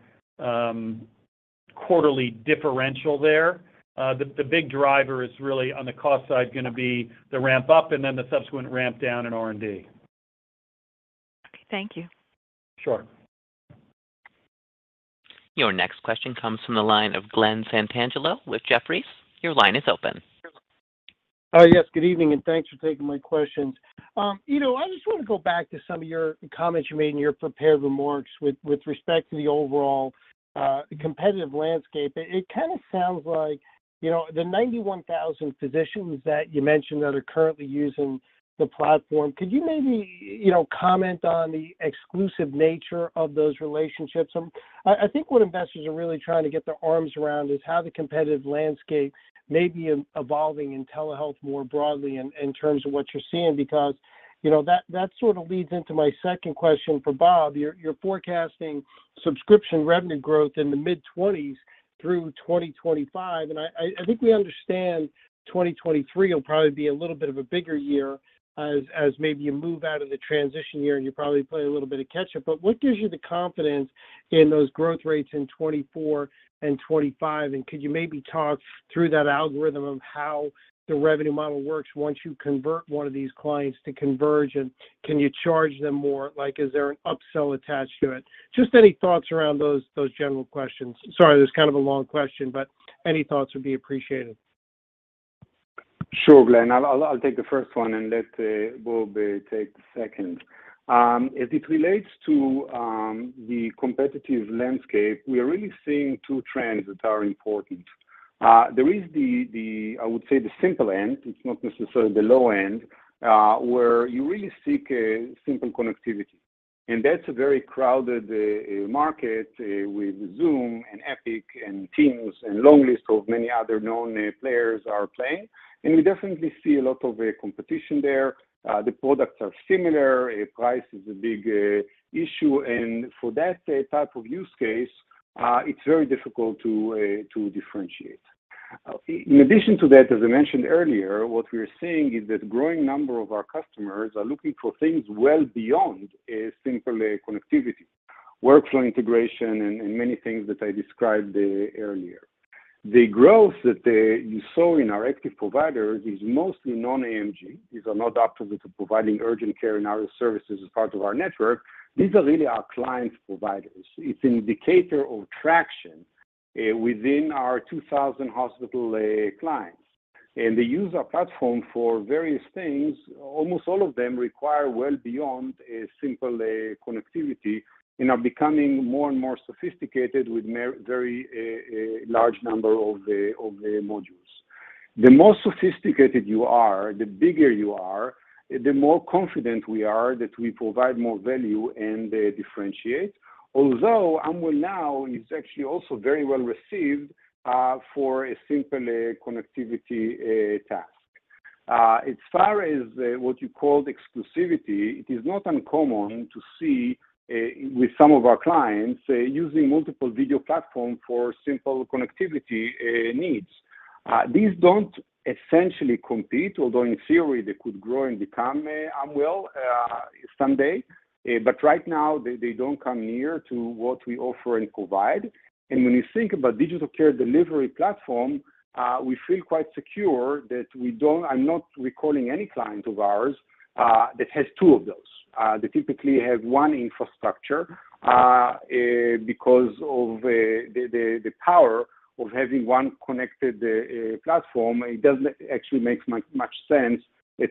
S3: quarterly differential there. The big driver is really on the cost side gonna be the ramp up and then the subsequent ramp down in R&D.
S6: Okay, thank you.
S3: Sure.
S1: Your next question comes from the line of Glen Santangelo with Jefferies. Your line is open.
S7: Yes, good evening, and thanks for taking my questions. Ido, I just wanna go back to some of your comments you made in your prepared remarks with respect to the overall competitive landscape. It kinda sounds like, you know, the 91,000 physicians that you mentioned that are currently using the platform. Could you maybe, you know, comment on the exclusive nature of those relationships? I think what investors are really trying to get their arms around is how the competitive landscape may be evolving in telehealth more broadly in terms of what you're seeing because, you know, that sort of leads into my second question for Bob. You're forecasting subscription revenue growth in the mid-20s% through 2025, and I think we understand 2023 will probably be a little bit of a bigger year as maybe you move out of the transition year, and you probably play a little bit of a catch-up. But what gives you the confidence in those growth rates in 2024 and 2025, and could you maybe talk through that algorithm of how the revenue model works once you convert one of these clients to Converge? And can you charge them more? Like, is there an upsell attached to it? Just any thoughts around those general questions. Sorry, that's kind of a long question, but any thoughts would be appreciated.
S2: Sure, Glenn. I'll take the first one and let Bob take the second. As it relates to the competitive landscape, we are really seeing two trends that are important. There is the simple end, I would say. It's not necessarily the low end where you really seek simple connectivity. That's a very crowded market with Zoom and Epic and Teams and long list of many other known players are playing. We definitely see a lot of competition there. The products are similar. Price is a big issue. For that type of use case, it's very difficult to differentiate. In addition to that, as I mentioned earlier, what we're seeing is that growing number of our customers are looking for things well beyond a simple connectivity, workflow integration and many things that I described earlier. The growth that you saw in our active providers is mostly non-AMG. These are not doctors that are providing urgent care in our services as part of our network. These are really our clients' providers. It's an indicator of traction within our 2,000 hospital clients. They use our platform for various things. Almost all of them require well beyond a simple connectivity and are becoming more and more sophisticated with very large number of the modules. The more sophisticated you are, the bigger you are, the more confident we are that we provide more value and differentiate. Although, Amwell Now is actually also very well received for a simple connectivity task. As far as what you called exclusivity, it is not uncommon to see with some of our clients using multiple video platform for simple connectivity needs. These don't essentially compete, although in theory, they could grow and become Amwell someday. But right now, they don't come near to what we offer and provide. When you think about digital care delivery platform, we feel quite secure that I'm not recalling any client of ours that has two of those. They typically have one infrastructure because of the power of having one connected platform. It doesn't actually make much sense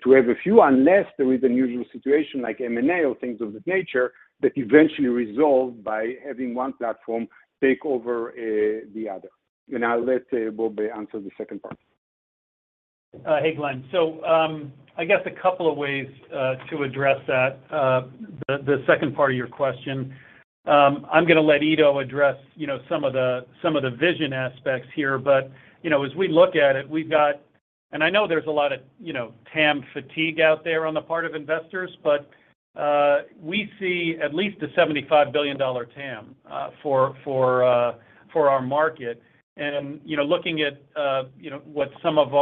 S2: to have a few unless there is an unusual situation like M&A or things of that nature that eventually resolve by having one platform take over the other. I'll let Bob answer the second part.
S3: Hey, Glenn. I guess a couple of ways to address that, the second part of your question. I'm gonna let Ido address, you know, some of the vision aspects here. You know, as we look at it, we've got. I know there's a lot of, you know, TAM fatigue out there on the part of investors, but we see at least a $75 billion TAM for our market. You know, looking at, you know, what some of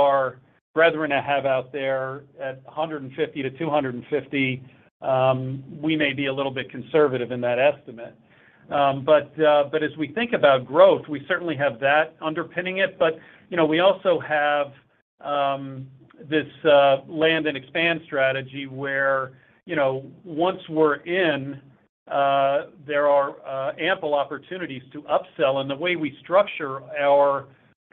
S3: our brethren have out there at $150 billion-$250 billion, we may be a little bit conservative in that estimate. As we think about growth, we certainly have that underpinning it. You know, we also have this land and expand strategy where, you know, once we're in, there are ample opportunities to upsell in the way we structure our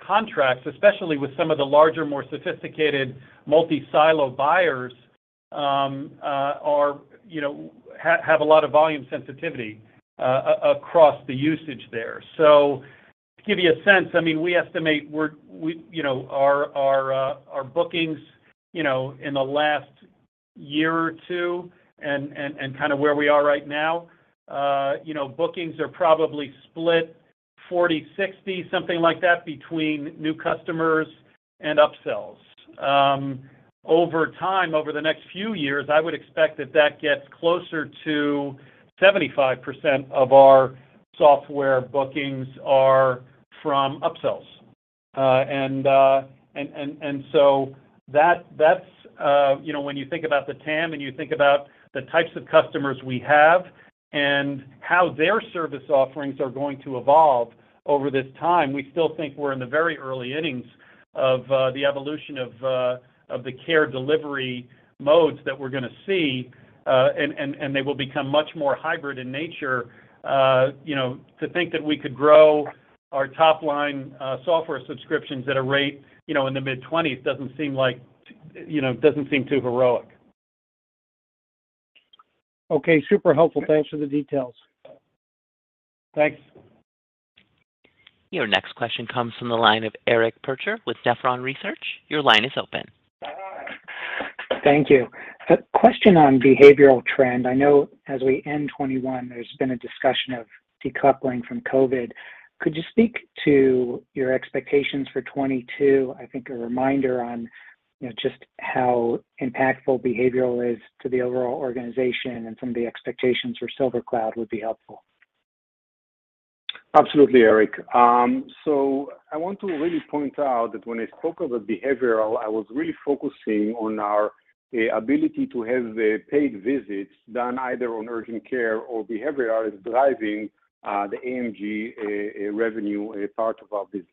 S3: contracts, especially with some of the larger, more sophisticated multi-silo buyers. They have a lot of volume sensitivity across the usage there. To give you a sense, I mean, we estimate we you know, our bookings you know, in the last year or two and kind of where we are right now, you know, bookings are probably split 40-60, something like that, between new customers and upsells. Over time, over the next few years, I would expect that gets closer to 75% of our software bookings are from upsells. That's you know when you think about the TAM and you think about the types of customers we have and how their service offerings are going to evolve over this time, we still think we're in the very early innings of the evolution of the care delivery modes that we're gonna see. They will become much more hybrid in nature. You know to think that we could grow our top-line software subscriptions at a rate you know in the mid-20s doesn't seem like you know doesn't seem too heroic.
S7: Okay, super helpful. Thanks for the details.
S3: Thanks.
S1: Your next question comes from the line of Eric Percher with Nephron Research. Your line is open.
S8: Thank you. A question on behavioral trend. I know as we end 2021, there's been a discussion of decoupling from COVID. Could you speak to your expectations for 2022? I think a reminder on, you know, just how impactful behavioral is to the overall organization and some of the expectations for SilverCloud would be helpful.
S2: Absolutely, Eric. I want to really point out that when I spoke of the behavioral, I was really focusing on our ability to have the paid visits done either on urgent care or behavioral is driving the AMG revenue part of our business.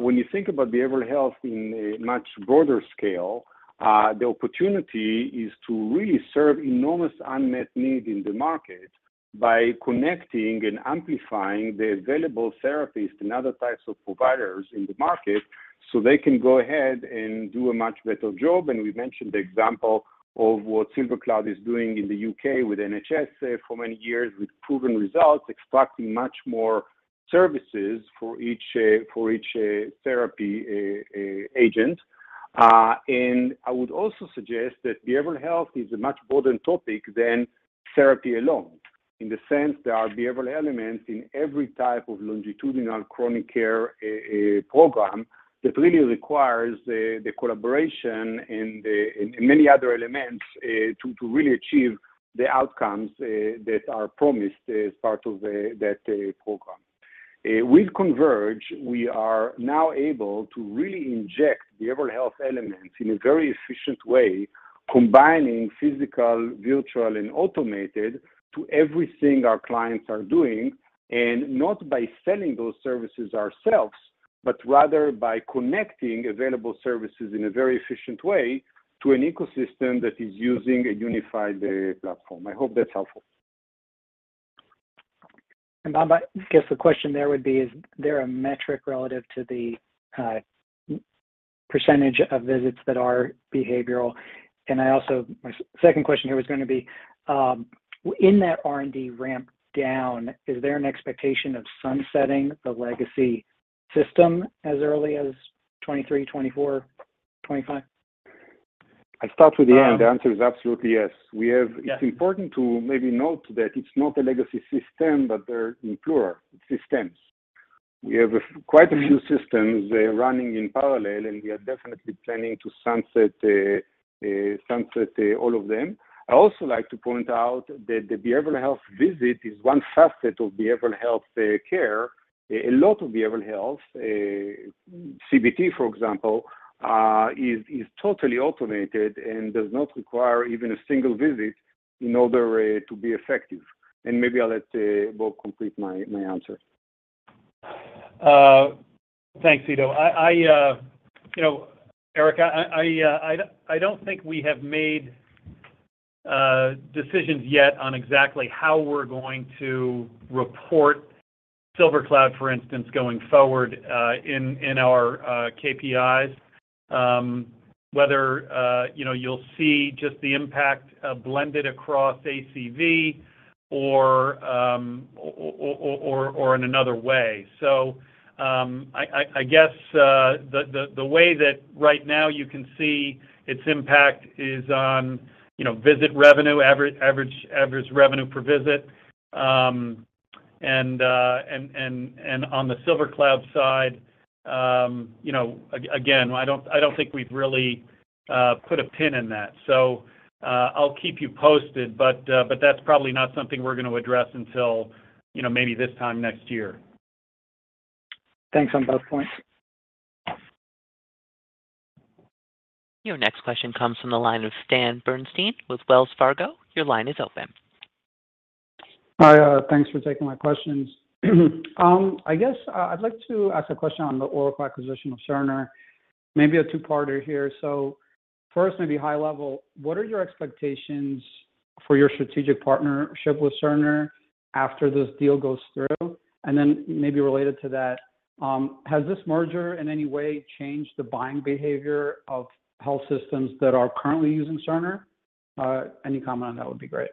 S2: When you think about behavioral health in a much broader scale, the opportunity is to really serve enormous unmet need in the market by connecting and amplifying the available therapists and other types of providers in the market so they can go ahead and do a much better job. We mentioned the example of what SilverCloud is doing in the U.K. with NHS for many years, with proven results, extracting much more services for each therapy agent. I would also suggest that behavioral health is a much broader topic than therapy alone in the sense there are behavioral elements in every type of longitudinal chronic care program that really requires the collaboration and many other elements to really achieve the outcomes that are promised as part of that program. With Converge, we are now able to really inject behavioral health elements in a very efficient way, combining physical, virtual, and automated to everything our clients are doing, and not by selling those services ourselves, but rather by connecting available services in a very efficient way to an ecosystem that is using a unified platform. I hope that's helpful.
S8: Bob, I guess the question there would be, is there a metric relative to the percentage of visits that are behavioral? I also, my second question here was gonna be, in that R&D ramp down, is there an expectation of sunsetting the legacy system as early as 2023, 2024, 2025?
S2: I'll start with the end. The answer is absolutely yes. We have-
S8: Yes.
S2: It's important to maybe note that it's not a legacy system, but they're in plural, systems. We have quite a few systems running in parallel, and we are definitely planning to sunset all of them. I also like to point out that the behavioral health visit is one facet of behavioral health care. A lot of behavioral health, CBT, for example, is totally automated and does not require even a single visit in order to be effective. Maybe I'll let Bob complete my answer.
S3: Thanks, Ido. I don't think we have made decisions yet on exactly how we're going to report SilverCloud, for instance, going forward in our KPIs, whether you know, you'll see just the impact blended across ACV or in another way. I guess the way that right now you can see its impact is on you know, visit revenue, average revenue per visit. And on the SilverCloud side, you know, again, I don't think we've really put a pin in that. I'll keep you posted, but that's probably not something we're gonna address until you know, maybe this time next year.
S8: Thanks on both points.
S1: Your next question comes from the line of Stan Berenshteyn with Wells Fargo. Your line is open.
S9: Hi. Thanks for taking my questions. I guess I'd like to ask a question on the Oracle acquisition of Cerner. Maybe a two-parter here. First, maybe high level, what are your expectations for your strategic partnership with Cerner after this deal goes through? Then maybe related to that, has this merger in any way changed the buying behavior of health systems that are currently using Cerner? Any comment on that would be great.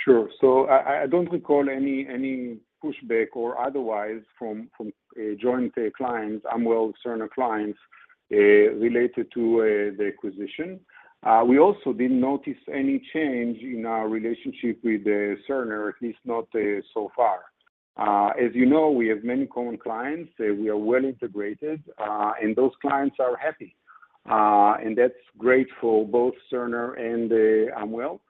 S2: Sure. I don't recall any pushback or otherwise from joint clients, Amwell-Cerner clients, related to the acquisition. We also didn't notice any change in our relationship with Cerner, at least not so far. As you know, we have many common clients. We are well integrated, and those clients are happy. That's great for both Cerner and Amwell.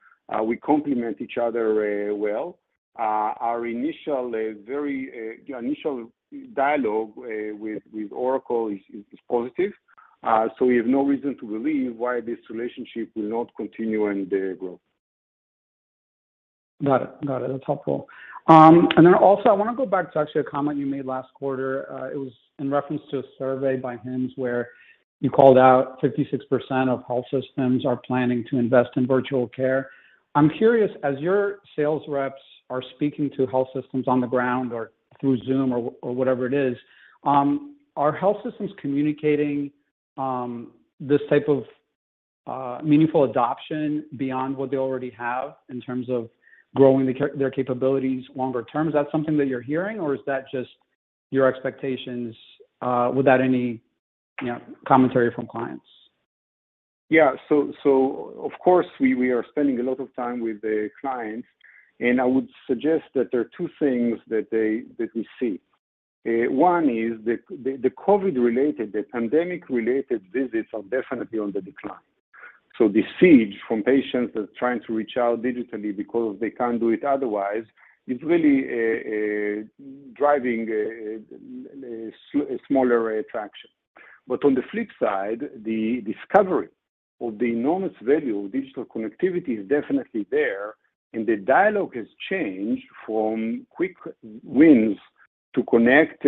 S2: We complement each other well. Our initial very initial dialogue with Oracle is positive. We have no reason to believe why this relationship will not continue and grow.
S9: Got it. That's helpful. Then also I wanna go back to actually a comment you made last quarter. It was in reference to a survey by HIMSS where you called out 56% of health systems are planning to invest in virtual care. I'm curious, as your sales reps are speaking to health systems on the ground or through Zoom or whatever it is, are health systems communicating this type of meaningful adoption beyond what they already have in terms of growing their capabilities longer term? Is that something that you're hearing, or is that just your expectations without any, you know, commentary from clients?
S2: Of course we are spending a lot of time with the clients, and I would suggest that there are two things that we see. One is the COVID-related pandemic-related visits are definitely on the decline. The surge from patients that are trying to reach out digitally because they can't do it otherwise is really driving smaller traction. On the flip side, the discovery of the enormous value of digital connectivity is definitely there, and the dialogue has changed from quick wins to connect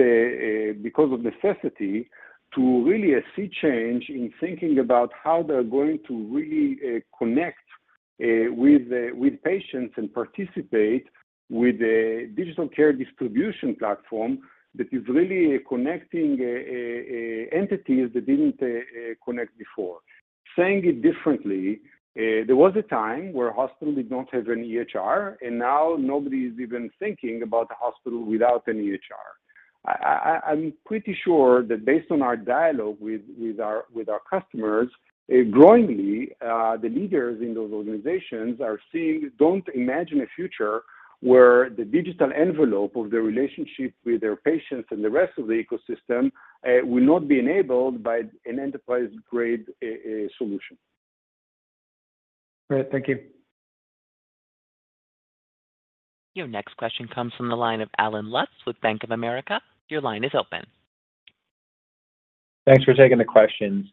S2: because of necessity to really a sea change in thinking about how they are going to really connect with patients and participate with a digital care distribution platform that is really connecting entities that didn't connect before. Saying it differently, there was a time where a hospital did not have an EHR, and now nobody's even thinking about a hospital without an EHR. I'm pretty sure that based on our dialogue with our customers, growingly, the leaders in those organizations are seeing they don't imagine a future where the digital envelope of their relationship with their patients and the rest of the ecosystem will not be enabled by an enterprise-grade solution.
S9: Great. Thank you.
S1: Your next question comes from the line of Allen Lutz with Bank of America. Your line is open.
S10: Thanks for taking the questions.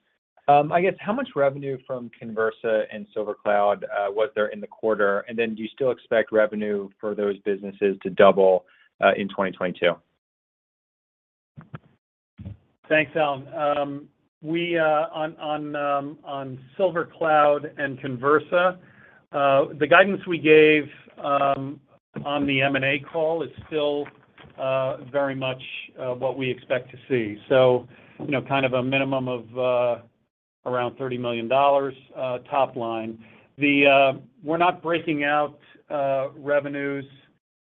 S10: I guess how much revenue from Conversa and SilverCloud was there in the quarter? Do you still expect revenue for those businesses to double in 2022?
S3: Thanks, Allen. We on SilverCloud and Conversa, the guidance we gave on the M&A call is still very much what we expect to see. You know, kind of a minimum of around $30 million top line. We're not breaking out revenues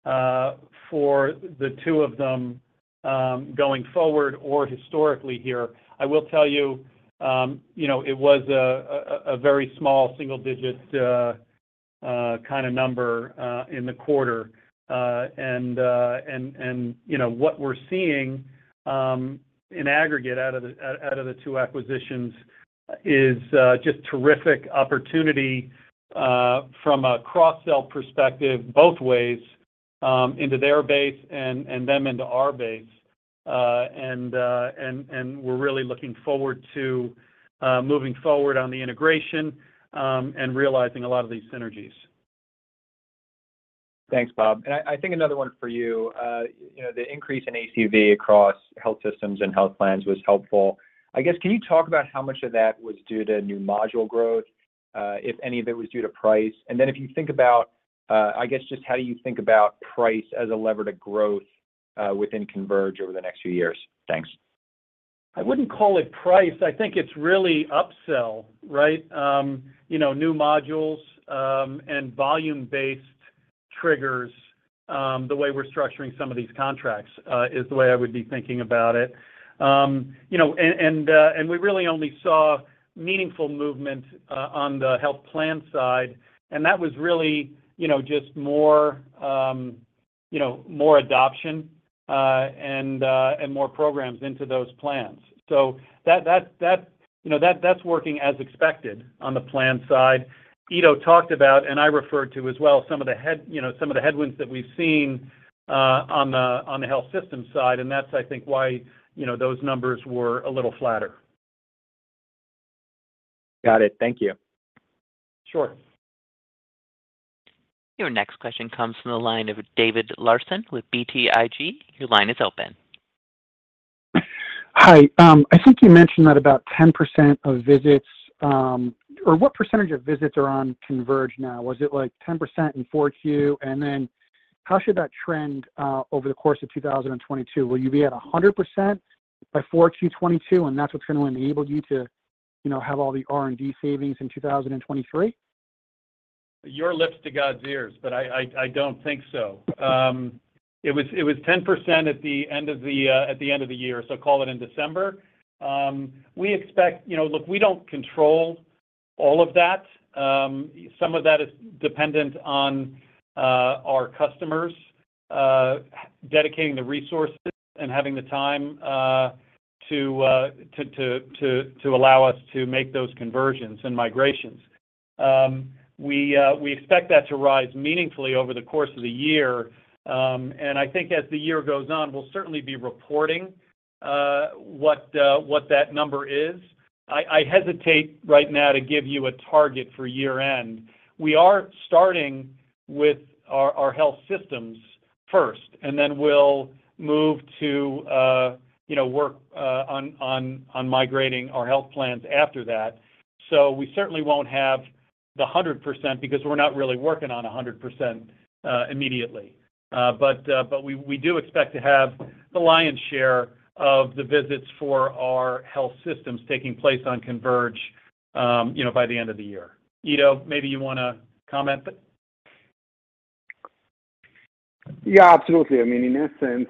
S3: for the two of them going forward or historically here. I will tell you know, it was a very small single-digit kind of number in the quarter. And you know, what we're seeing in aggregate out of the two acquisitions is just terrific opportunity from a cross-sell perspective both ways into their base and them into our base. We're really looking forward to moving forward on the integration and realizing a lot of these synergies.
S10: Thanks, Bob. I think another one for you. You know, the increase in ACV across health systems and health plans was helpful. I guess, can you talk about how much of that was due to new module growth, if any of it was due to price? And then if you think about, I guess just how you think about price as a lever to growth, within Converge over the next few years. Thanks.
S3: I wouldn't call it price. I think it's really upsell, right? You know, new modules, and volume-based triggers, the way we're structuring some of these contracts, is the way I would be thinking about it. You know, and we really only saw meaningful movement, on the health plan side, and that was really, you know, just more, you know, more adoption, and more programs into those plans. So that you know, that's working as expected on the plan side. Ido talked about, and I referred to as well, some of the headwinds that we've seen, on the health system side, and that's, I think, why, you know, those numbers were a little flatter.
S10: Got it. Thank you.
S3: Sure.
S1: Your next question comes from the line of David Larsen with BTIG. Your line is open.
S11: Hi. I think you mentioned that about 10% of visits. Or what percentage of visits are on Converge now? Was it like 10% in Q4? How should that trend over the course of 2022? Will you be at 100% by Q4 2022, and that's what's gonna enable you to- You know, have all the R&D savings in 2023.
S3: Your lips to God's ears, but I don't think so. It was 10% at the end of the year, so call it in December. We expect. You know, look, we don't control all of that. Some of that is dependent on our customers dedicating the resources and having the time to allow us to make those conversions and migrations. We expect that to rise meaningfully over the course of the year. I think as the year goes on, we'll certainly be reporting what that number is. I hesitate right now to give you a target for year-end. We are starting with our health systems first, and then we'll move to work on migrating our health plans after that. We certainly won't have 100% because we're not really working on 100% immediately. We do expect to have the lion's share of the visits for our health systems taking place on Converge by the end of the year. Ido, maybe you wanna comment?
S2: Yeah, absolutely. I mean, in essence,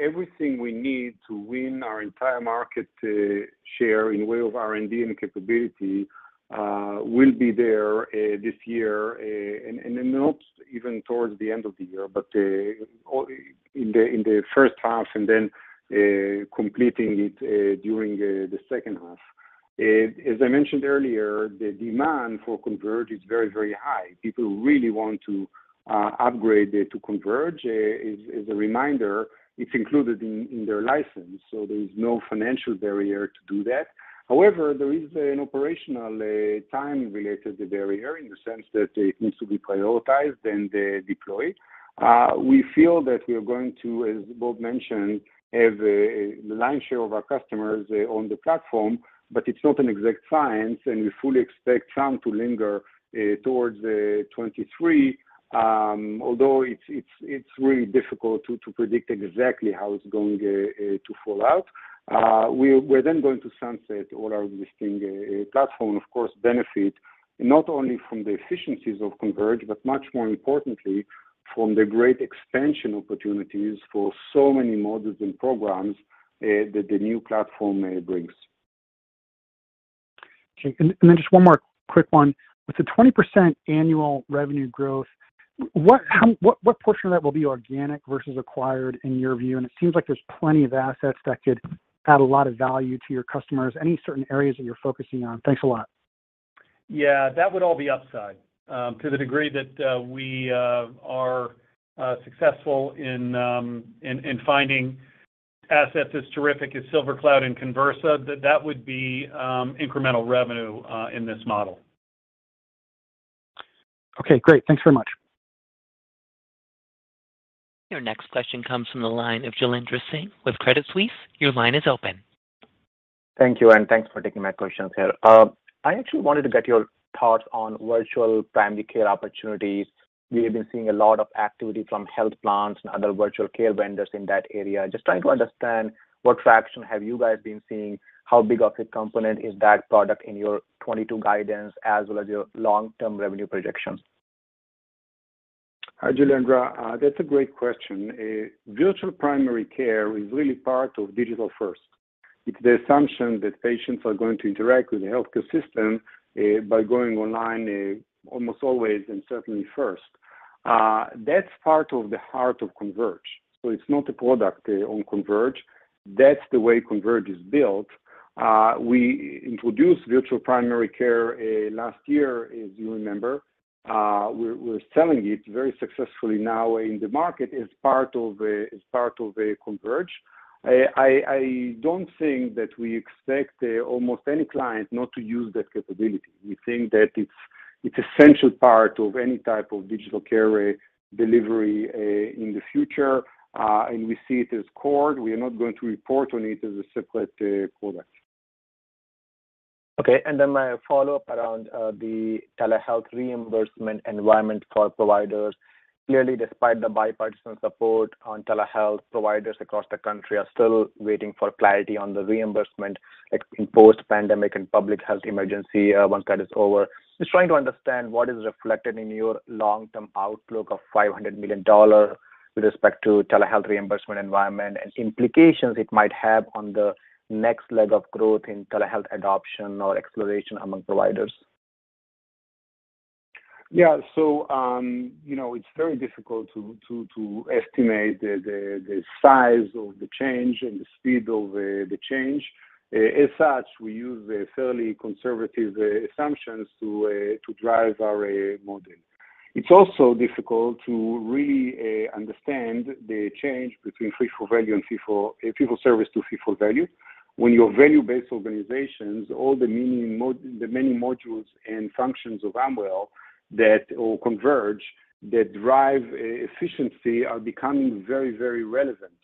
S2: everything we need to win our entire market share in the way of R&D and capability will be there this year, and not even towards the end of the year, but in the first half and then completing it during the second half. As I mentioned earlier, the demand for Converge is very, very high. People really want to upgrade to Converge. As a reminder, it's included in their license, so there is no financial barrier to do that. However, there is an operational time-related barrier in the sense that it needs to be prioritized and deployed. We feel that we are going to, as Bob mentioned, have a lion's share of our customers on the platform, but it's not an exact science, and we fully expect some to linger toward 2023. Although it's really difficult to predict exactly how it's going to fall out. We're then going to sunset all our existing platforms, of course, we benefit not only from the efficiencies of Converge, but much more importantly from the great expansion opportunities for so many modules and programs that the new platform brings.
S11: Okay. Just one more quick one. With the 20% annual revenue growth, what portion of that will be organic versus acquired in your view? It seems like there's plenty of assets that could add a lot of value to your customers. Any certain areas that you're focusing on? Thanks a lot.
S3: Yeah, that would all be upside. To the degree that we are successful in finding assets as terrific as SilverCloud and Conversa, that would be incremental revenue in this model.
S11: Okay, great. Thanks very much.
S1: Your next question comes from the line of Jailendra Singh with Credit Suisse. Your line is open.
S12: Thank you, and thanks for taking my questions here. I actually wanted to get your thoughts on virtual primary care opportunities. We have been seeing a lot of activity from health plans and other virtual care vendors in that area. Just trying to understand what traction have you guys been seeing, how big of a component is that product in your 2022 guidance, as well as your long-term revenue projections?
S2: Hi, Jailendra. That's a great question. Virtual primary care is really part of Digital First. It's the assumption that patients are going to interact with the healthcare system by going online almost always and certainly first. That's part of the heart of Converge. It's not a product on Converge. That's the way Converge is built. We introduced virtual primary care last year as you remember. We're selling it very successfully now in the market as part of Converge. I don't think that we expect almost any client not to use that capability. We think that it's essential part of any type of digital care delivery in the future. We see it as core. We are not going to report on it as a separate product.
S12: Okay. My follow-up around the telehealth reimbursement environment for providers. Clearly, despite the bipartisan support on telehealth, providers across the country are still waiting for clarity on the reimbursement, like in post-pandemic and public health emergency once that is over. Just trying to understand what is reflected in your long-term outlook of $500 million with respect to telehealth reimbursement environment and implications it might have on the next leg of growth in telehealth adoption or exploration among providers.
S2: You know, it's very difficult to estimate the size of the change and the speed of the change. As such, we use fairly conservative assumptions to drive our model. It's also difficult to really understand the change between fee for service to fee for value. When you're value-based organizations, all the many modules and functions of Amwell that will Converge that drive efficiency are becoming very, very relevant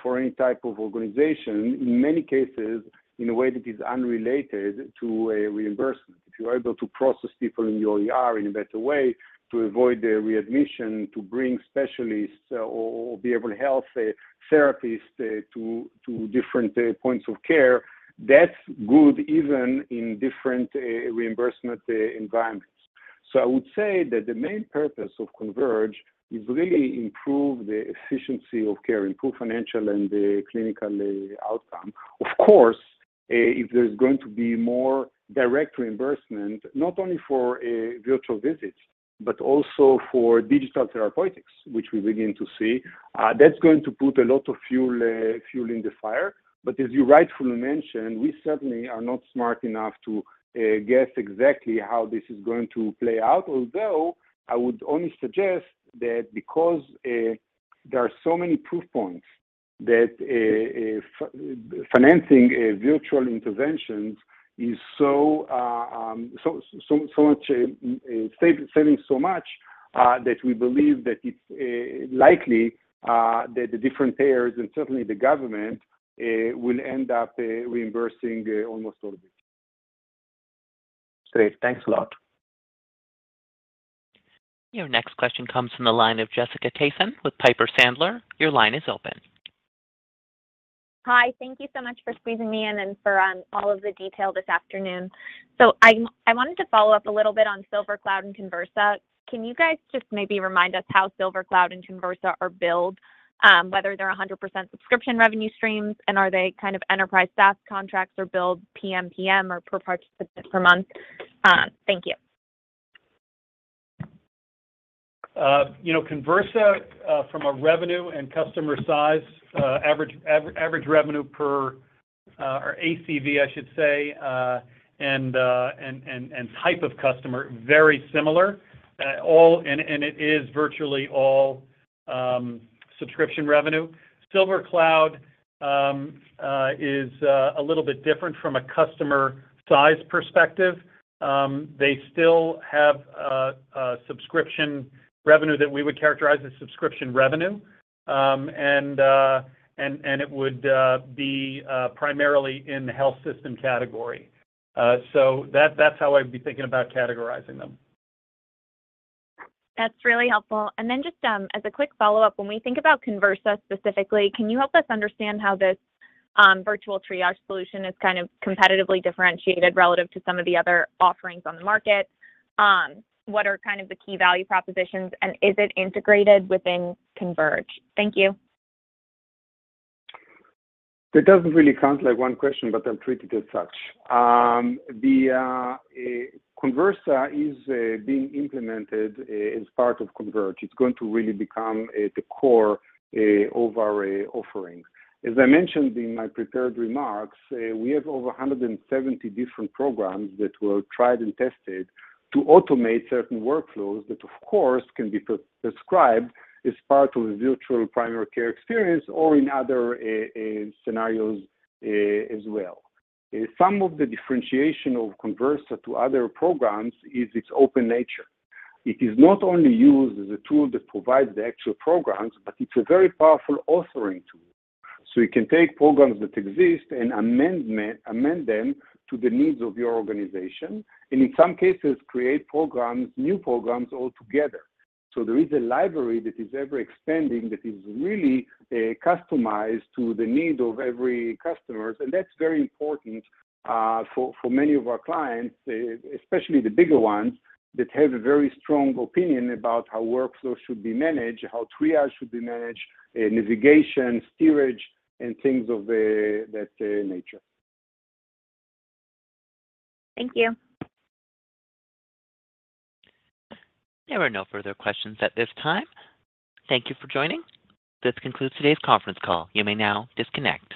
S2: for any type of organization, in many cases, in a way that is unrelated to a reimbursement. If you are able to process people in your ER in a better way to avoid the readmission, to bring specialists or behavioral health therapists to different points of care, that's good even in different reimbursement environments. I would say that the main purpose of Converge is really improve the efficiency of care, improve financial and the clinical outcome. Of course, if there's going to be more direct reimbursement, not only for virtual visits, but also for digital therapeutics, which we begin to see, that's going to put a lot of fuel in the fire. As you rightfully mentioned, we certainly are not smart enough to guess exactly how this is going to play out. Although I would only suggest that because there are so many proof points that financing virtual interventions is so much saving so much that we believe that it's likely that the different payers and certainly the government will end up reimbursing almost all of it.
S12: Great. Thanks a lot.
S1: Your next question comes from the line of Jessica Tassan with Piper Sandler. Your line is open.
S13: Hi. Thank you so much for squeezing me in and for all of the detail this afternoon. I wanted to follow up a little bit on SilverCloud and Conversa. Can you guys just maybe remind us how SilverCloud and Conversa are billed, whether they're 100% subscription revenue streams, and are they kind of enterprise SaaS contracts or billed PMPM or per participant per month? Thank you.
S3: You know, Conversa from a revenue and customer size, average revenue per, or ACV, I should say, and type of customer, very similar. It is virtually all subscription revenue. SilverCloud is a little bit different from a customer size perspective. They still have a subscription revenue that we would characterize as subscription revenue. It would be primarily in the health system category. That's how I'd be thinking about categorizing them.
S13: That's really helpful. Just as a quick follow-up, when we think about Conversa specifically, can you help us understand how this virtual triage solution is kind of competitively differentiated relative to some of the other offerings on the market? What are kind of the key value propositions, and is it integrated within Converge? Thank you.
S2: That doesn't really sound like one question, but I'll treat it as such. The Conversa is being implemented as part of Converge. It's going to really become the core of our offerings. As I mentioned in my prepared remarks, we have over 170 different programs that were tried and tested to automate certain workflows that, of course, can be pre-prescribed as part of a virtual primary care experience or in other scenarios as well. Some of the differentiation of Conversa to other programs is its open nature. It is not only used as a tool that provides the actual programs, but it's a very powerful authoring tool. You can take programs that exist and amend them to the needs of your organization, and in some cases, create programs, new programs altogether. There is a library that is ever-expanding, that is really customized to the need of every customers. That's very important for many of our clients, especially the bigger ones that have a very strong opinion about how workflow should be managed, how triage should be managed, navigation, steerage, and things of that nature.
S13: Thank you.
S1: There are no further questions at this time. Thank you for joining. This concludes today's conference call. You may now disconnect.